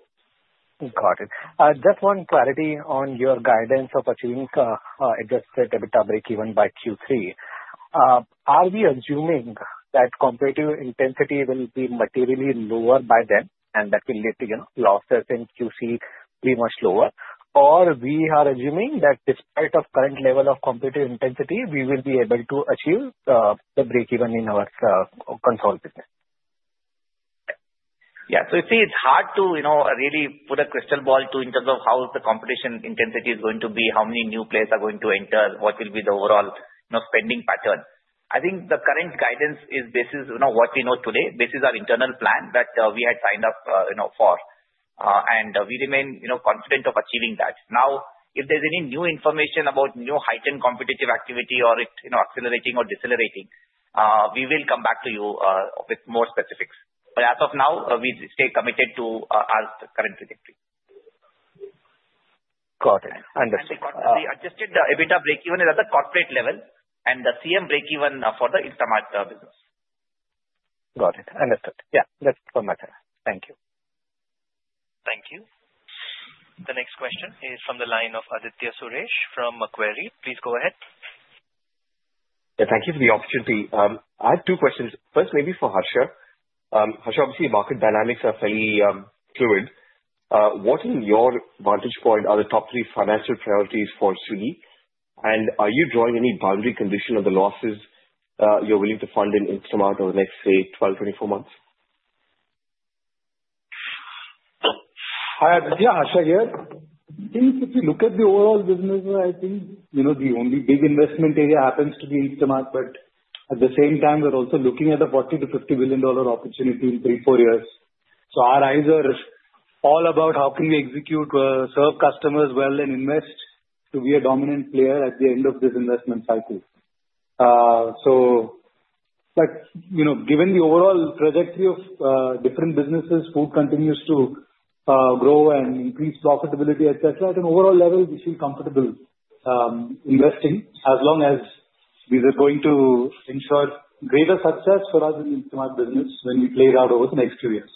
Got it. Just one clarity on your guidance of achieving Adjusted EBITDA breakeven by Q3. Are we assuming that competitive intensity will be materially lower by then and that will lead to losses in QC be much lower, or we are assuming that despite the current level of competitive intensity, we will be able to achieve the breakeven in our consolidation? Yeah. So see, it's hard to really put a crystal ball in terms of how the competition intensity is going to be, how many new players are going to enter, what will be the overall spending pattern. I think the current guidance is based on what we know today, based on our internal plan that we had signed up for. And we remain confident of achieving that. Now, if there's any new information about new heightened competitive activity or accelerating or decelerating, we will come back to you with more specifics. But as of now, we stay committed to our current trajectory. Got it. Understood. The Adjusted EBITDA breakeven is at the corporate level and the CM breakeven for the Instamart business. Got it. Understood. Yeah. That's from my side. Thank you. Thank you. The next question is from the line of Aditya Suresh from Macquarie. Please go ahead. Yeah. Thank you for the opportunity. I have two questions. First, maybe for Harsha. Harsha, obviously, market dynamics are fairly fluid. What, in your vantage point, are the top three financial priorities for Swiggy? And are you drawing any boundary condition on the losses you're willing to fund in Instamart over the next, say, 12, 24 months? Hi. Yeah, Harsha here. If you look at the overall business, I think the only big investment area happens to be Instamart. But at the same time, we're also looking at a $40-$50 billion opportunity in three, four years, so our eyes are all about how can we execute, serve customers well, and invest to be a dominant player at the end of this investment cycle, so given the overall trajectory of different businesses, food continues to grow and increase profitability, etc., at an overall level, we feel comfortable investing as long as we are going to ensure greater success for us in the Instamart business when we play it out over the next few years.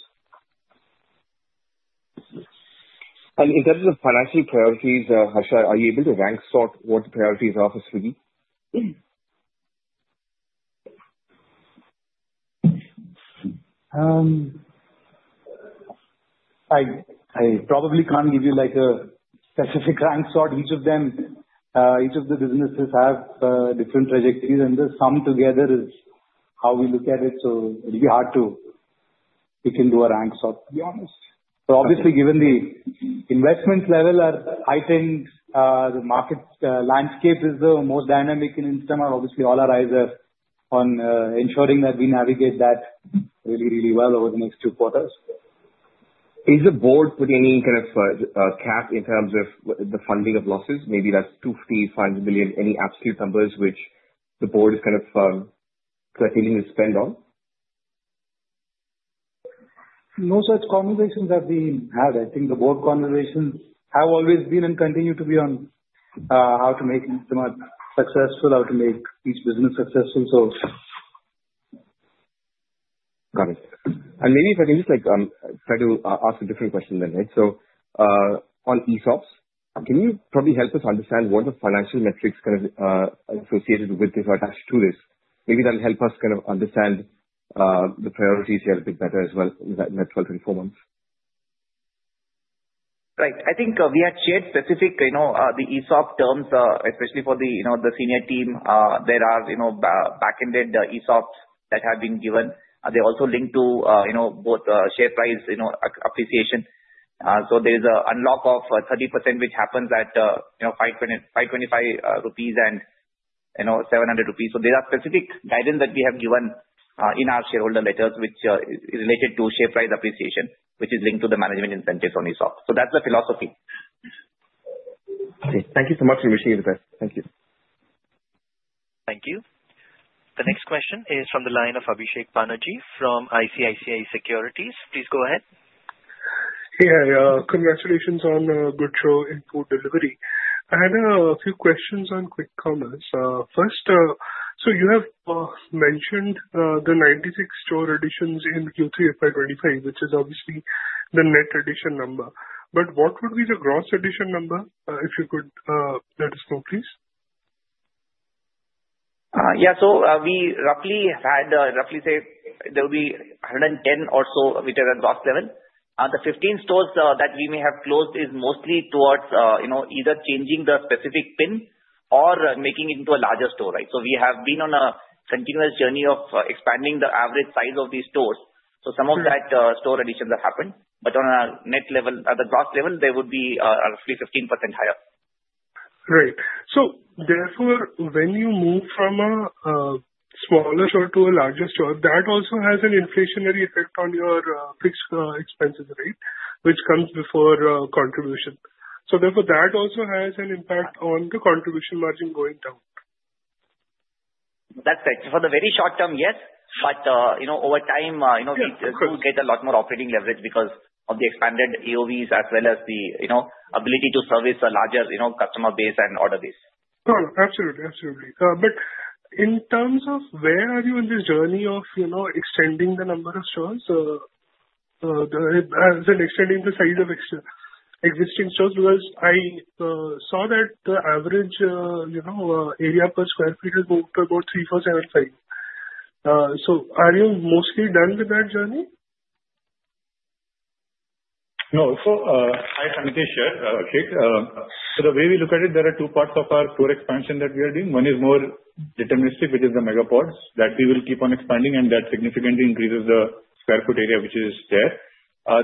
In terms of financial priorities, Harsha, are you able to rank sort what the priorities are for Swiggy? I probably can't give you a specific rank sort. Each of the businesses have different trajectories, and the sum together is how we look at it. So it'll be hard to pick and do a rank sort, to be honest. But obviously, given the investment level are heightened, the market landscape is the most dynamic in Instamart. Obviously, all our eyes are on ensuring that we navigate that really, really well over the next two quarters. Is the board putting any kind of cap in terms of the funding of losses? Maybe that's 250 million, 500 million, any absolute numbers which the board is kind of continuing to spend on? No, such conversations have we had. I think the board conversations have always been and continue to be on how to make Instamart successful, how to make each business successful, so. Got it. And maybe if I can just try to ask a different question then, right? So on ESOPs, can you probably help us understand what the financial metrics kind of associated with this or attached to this? Maybe that'll help us kind of understand the priorities here a bit better as well in that 12-24 months. Right. I think we had shared specific the ESOP terms, especially for the senior team. There are back-ended ESOPs that have been given. They also link to both share price appreciation. So there is an unlock of 30%, which happens at 525 rupees and 700 rupees. So there are specific guidance that we have given in our shareholder letters, which is related to share price appreciation, which is linked to the management incentives on ESOP. So that's the philosophy. Okay. Thank you so much, We wish you the best. Thank you. Thank you. The next question is from the line of Abhishek Banerjee from ICICI Securities. Please go ahead. Yeah. Congratulations on a good show in food delivery. I had a few questions on quick commerce. First, so you have mentioned the 96 store additions in Q3 of 525, which is obviously the net addition number. But what would be the gross addition number, if you could let us know, please? Yeah. So we roughly had roughly say there will be 110 or so which are at gross level. The 15 stores that we may have closed is mostly towards either changing the specific PIN or making it into a larger store, right? So we have been on a continuous journey of expanding the average size of these stores. So some of that store additions have happened. But on a net level, at the gross level, they would be roughly 15% higher. Great. So therefore, when you move from a smaller store to a larger store, that also has an inflationary effect on your fixed expenses rate, which comes before contribution. So therefore, that also has an impact on the contribution margin going down. That's right. For the very short term, yes. But over time, we could get a lot more operating leverage because of the expanded AOVs as well as the ability to service a larger customer base and order base. Absolutely. Absolutely. But in terms of where are you in this journey of extending the number of stores as in extending the size of existing stores? Because I saw that the average area in sq ft has moved to about 3,475. So are you mostly done with that journey? No. So I can't be sure. Okay. So the way we look at it, there are two parts of our store expansion that we are doing. One is more deterministic, which is the mega pods that we will keep on expanding, and that significantly increases the sq ft area which is there.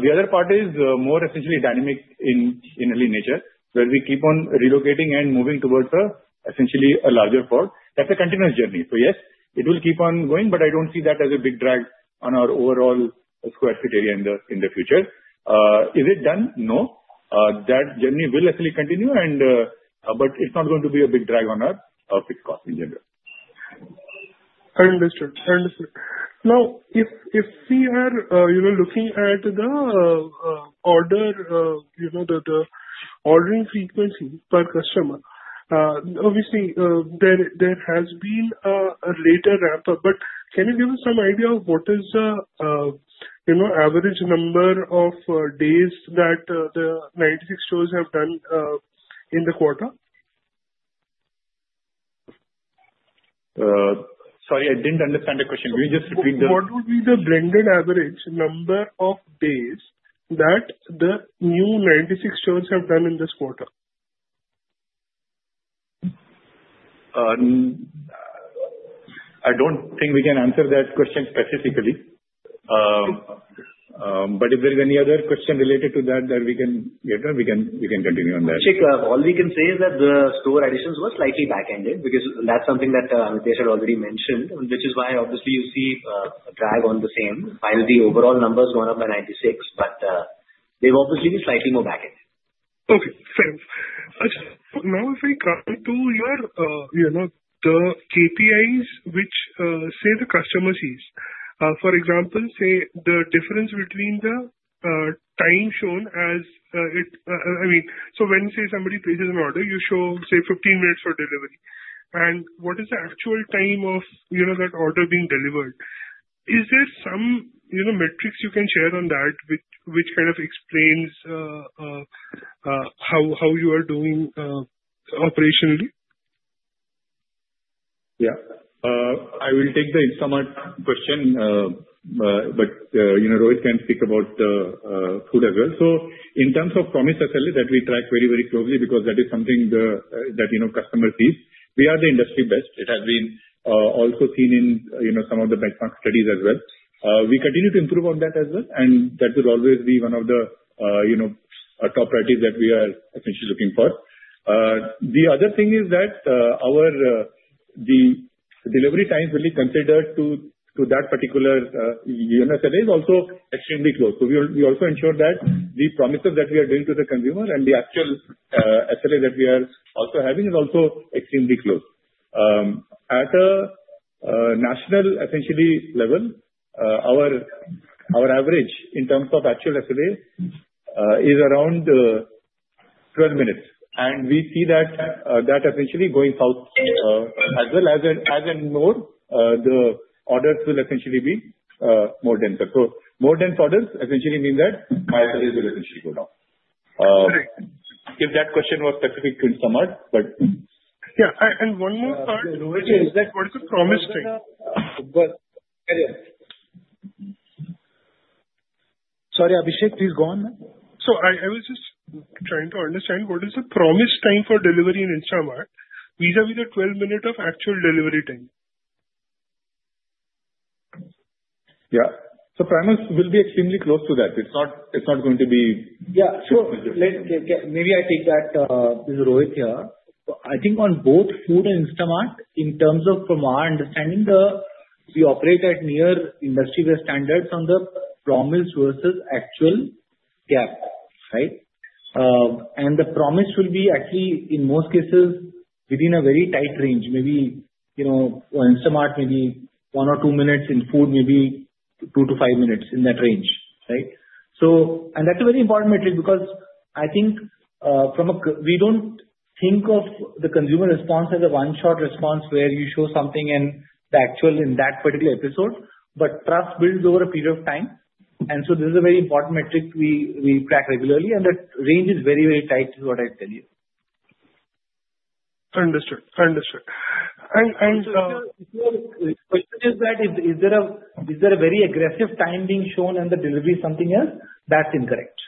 The other part is more essentially dynamic in nature, where we keep on relocating and moving towards essentially a larger pod. That's a continuous journey. So yes, it will keep on going, but I don't see that as a big drag on our overall sq ft area in the future. Is it done? No. That journey will actually continue, but it's not going to be a big drag on our fixed cost in general. I understand. I understand. Now, if we are looking at the order, the ordering frequency per customer, obviously, there has been a later ramp-up. But can you give us some idea of what is the average number of days that the 96 stores have done in the quarter? Sorry, I didn't understand the question. Can you just repeat the? What would be the blended average number of days that the new 96 stores have done in this quarter? I don't think we can answer that question specifically. But if there is any other question related to that, then we can continue on that. Abhishek, all we can say is that the store additions were slightly back-ended because that's something that Aditya had already mentioned, which is why obviously you see a drag on the same. While the overall number has gone up by 96, but they've obviously been slightly more back-ended. Okay. Fair enough. Now, if we come to your KPIs which say the customer sees. For example, say the difference between the time shown as it I mean, so when say somebody places an order, you show, say, 15 minutes for delivery. And what is the actual time of that order being delivered? Is there some metrics you can share on that which kind of explains how you are doing operationally? Yeah. I will take the Instamart question, but Rohit can speak about food as well. So in terms of promise SLA that we track very, very closely because that is something that customers see, we are the industry best. It has been also seen in some of the benchmark studies as well. We continue to improve on that as well, and that will always be one of the top priorities that we are essentially looking for. The other thing is that the delivery time really considered to that particular unit SLA is also extremely close, so we also ensure that the promises that we are doing to the consumer and the actual SLA that we are also having is also extremely close. At a national essentially level, our average in terms of actual SLA is around 12 minutes, and we see that essentially going south as well. As a note, the orders will essentially be more denser. So more dense orders essentially mean that my SLAs will essentially go down. Sorry. If that question was specific to Instamart, but. Yeah. And one more part, Rohit, is that what's the promised time? Sorry, Abhishek, please go on. I was just trying to understand what is the promise time for delivery in Instamart. These are with a 12-minute actual delivery time. Yeah. So promise will be extremely close to that. It's not going to be. Yeah, so maybe I take that, Rohit, here. I think on both food and Instamart, in terms of from our understanding, we operate at near industry-based standards on the promise versus actual gap, right, and the promise will be actually, in most cases, within a very tight range. Maybe in Instamart, maybe one or two minutes; in food, maybe two to five minutes in that range, right, and that's a very important metric because I think we don't think of the consumer response as a one-shot response where you show something and the actual in that particular episode, but trust builds over a period of time, and so this is a very important metric we track regularly, and that range is very, very tight is what I'd tell you. Understood. Understood, and so. The question is that is there a very aggressive time being shown and the delivery something else? That's incorrect.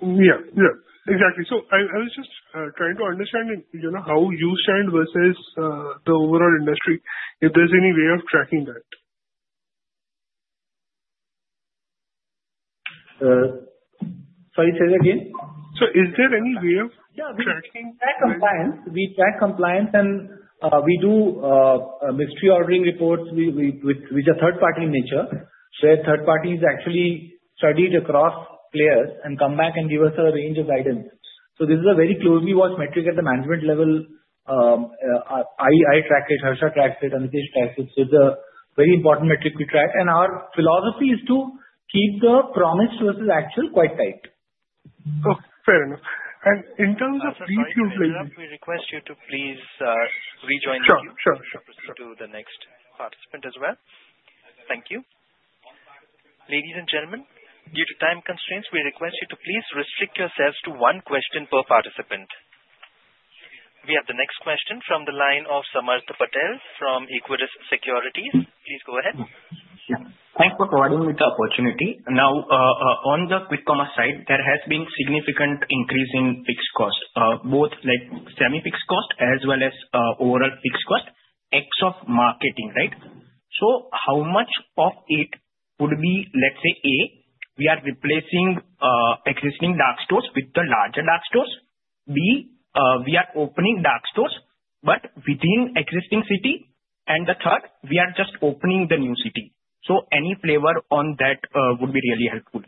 Yeah. Yeah. Exactly. So I was just trying to understand how you stand versus the overall industry, if there's any way of tracking that? Sorry, say that again. So is there any way of tracking? Yeah. We track compliance. We track compliance, and we do mystery ordering reports, which are third-party in nature. So third parties actually studied across players and come back and give us a range of guidance. So this is a very closely watched metric at the management level. I track it. Sriharsha tracks it. Amitesh tracks it. So it's a very important metric we track. And our philosophy is to keep the promise versus actual quite tight. Okay. Fair enough. And in terms of re-uplinking. We request you to please rejoin the Q&A to the next participant as well. Thank you. Ladies and gentlemen, due to time constraints, we request you to please restrict yourselves to one question per participant. We have the next question from the line of Samarth Patel from Equirus Securities. Please go ahead. Thanks for providing me the opportunity. Now, on the quick commerce side, there has been significant increase in fixed cost, both semi-fixed cost as well as overall fixed cost, ex of marketing, right? So how much of it would be, let's say, A, we are replacing existing dark stores with the larger dark stores? B, we are opening dark stores, but within existing city? And the third, we are just opening the new city. So any flavor on that would be really helpful.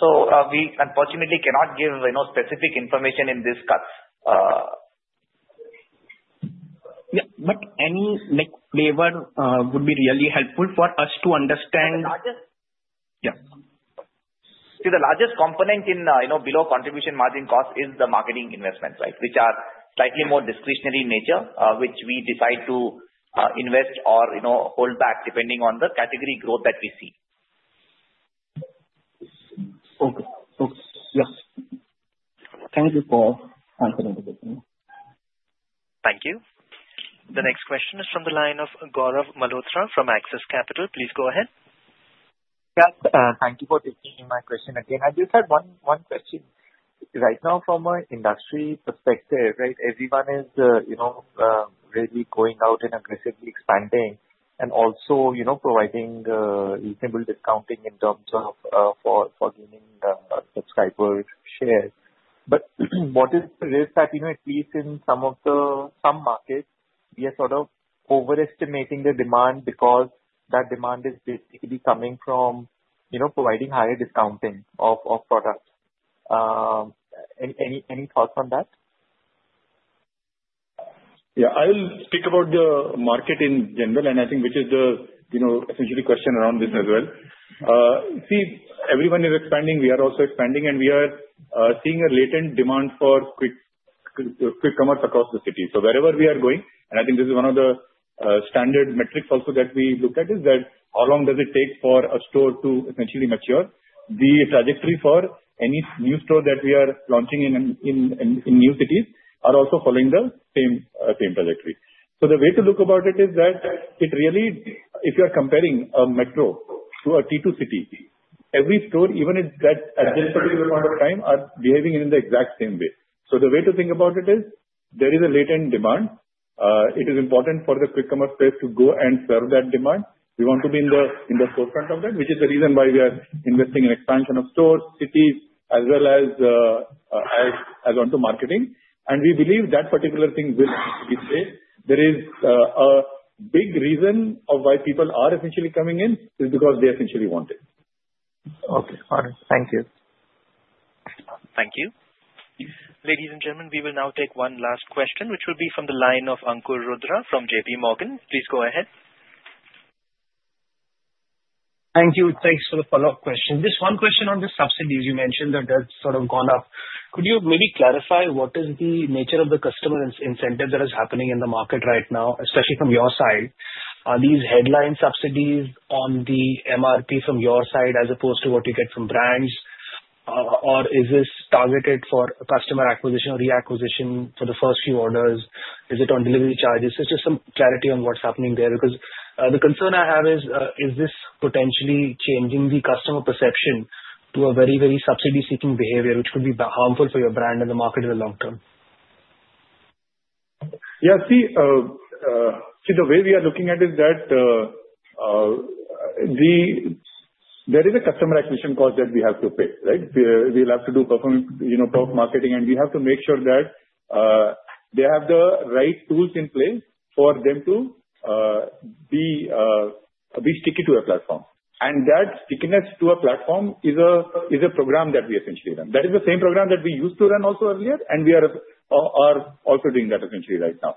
So we unfortunately cannot give specific information in this call. Yeah. But any flavor would be really helpful for us to understand. The largest. Yeah. See, the largest component below Contribution Margin cost is the marketing investments, right, which are slightly more discretionary in nature, which we decide to invest or hold back depending on the category growth that we see. Okay. Okay. Yeah. Thank you for answering the question. Thank you. The next question is from the line of Gaurav Malhotra from Axis Capital. Please go ahead. Yeah. Thank you for taking my question again. I just had one question. Right now, from an industry perspective, right, everyone is really going out and aggressively expanding and also providing reasonable discounting in terms of forgiving subscriber shares. But what is the risk that at least in some markets, we are sort of overestimating the demand because that demand is basically coming from providing higher discounting of products? Any thoughts on that? Yeah. I will speak about the market in general, and I think which is the essential question around this as well. See, everyone is expanding. We are also expanding, and we are seeing a latent demand for quick commerce across the city. So wherever we are going, and I think this is one of the standard metrics also that we look at, is that how long does it take for a store to essentially mature? The trajectory for any new store that we are launching in new cities are also following the same trajectory. So the way to look at it is that it really, if you are comparing a metro to a T2 city, every store, even at this particular point of time, are behaving in the exact same way. So the way to think about it is there is a latent demand. It is important for the quick commerce space to go and serve that demand. We want to be in the forefront of that, which is the reason why we are investing in expansion of stores, cities, as well as into marketing. And we believe that particular thing will be there. There is a big reason of why people are essentially coming in is because they essentially want it. Okay. All right. Thank you. Thank you. Ladies and gentlemen, we will now take one last question, which will be from the line of Ankur Rudra from J.P. Morgan. Please go ahead. Thank you. Thanks for the follow-up question. Just one question on the subsidies you mentioned that has sort of gone up. Could you maybe clarify what is the nature of the customer incentive that is happening in the market right now, especially from your side? Are these headline subsidies on the MRP from your side as opposed to what you get from brands? Or is this targeted for customer acquisition or reacquisition for the first few orders? Is it on delivery charges? Just some clarity on what's happening there. Because the concern I have is, is this potentially changing the customer perception to a very, very subsidy-seeking behavior, which could be harmful for your brand and the market in the long term? Yeah. See, the way we are looking at it is that there is a customer acquisition cost that we have to pay, right? We'll have to do performance marketing, and we have to make sure that they have the right tools in place for them to be sticky to a platform. And that stickiness to a platform is a program that we essentially run. That is the same program that we used to run also earlier, and we are also doing that essentially right now.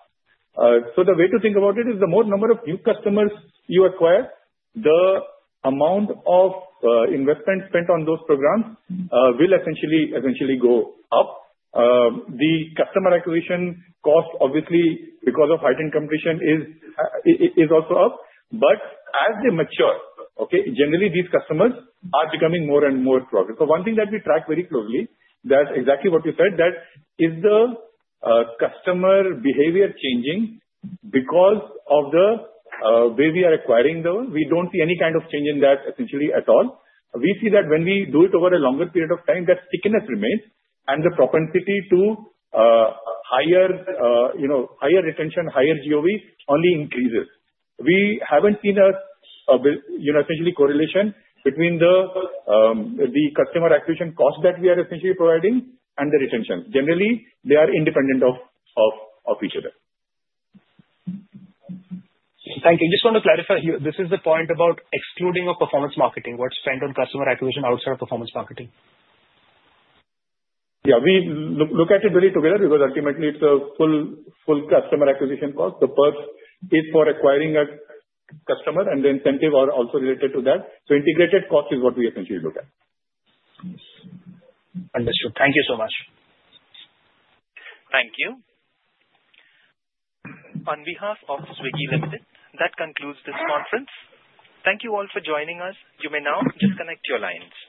So the way to think about it is the more number of new customers you acquire, the amount of investment spent on those programs will essentially go up. The customer acquisition cost, obviously, because of heightened competition, is also up. But as they mature, okay, generally, these customers are becoming more and more progressive. So one thing that we track very closely, that's exactly what you said, that is the customer behavior changing because of the way we are acquiring them. We don't see any kind of change in that essentially at all. We see that when we do it over a longer period of time, that stickiness remains, and the propensity to higher retention, higher GOV only increases. We haven't seen a essentially correlation between the customer acquisition cost that we are essentially providing and the retention. Generally, they are independent of each other. Thank you. Just want to clarify here. This is the point about excluding of performance marketing, what's spent on customer acquisition outside of performance marketing. Yeah. We look at it really together because ultimately, it's a full customer acquisition cost. The purpose is for acquiring a customer, and the incentive are also related to that. So integrated cost is what we essentially look at. Understood. Thank you so much. Thank you. On behalf of Swiggy Limited, that concludes this conference. Thank you all for joining us. You may now disconnect your lines.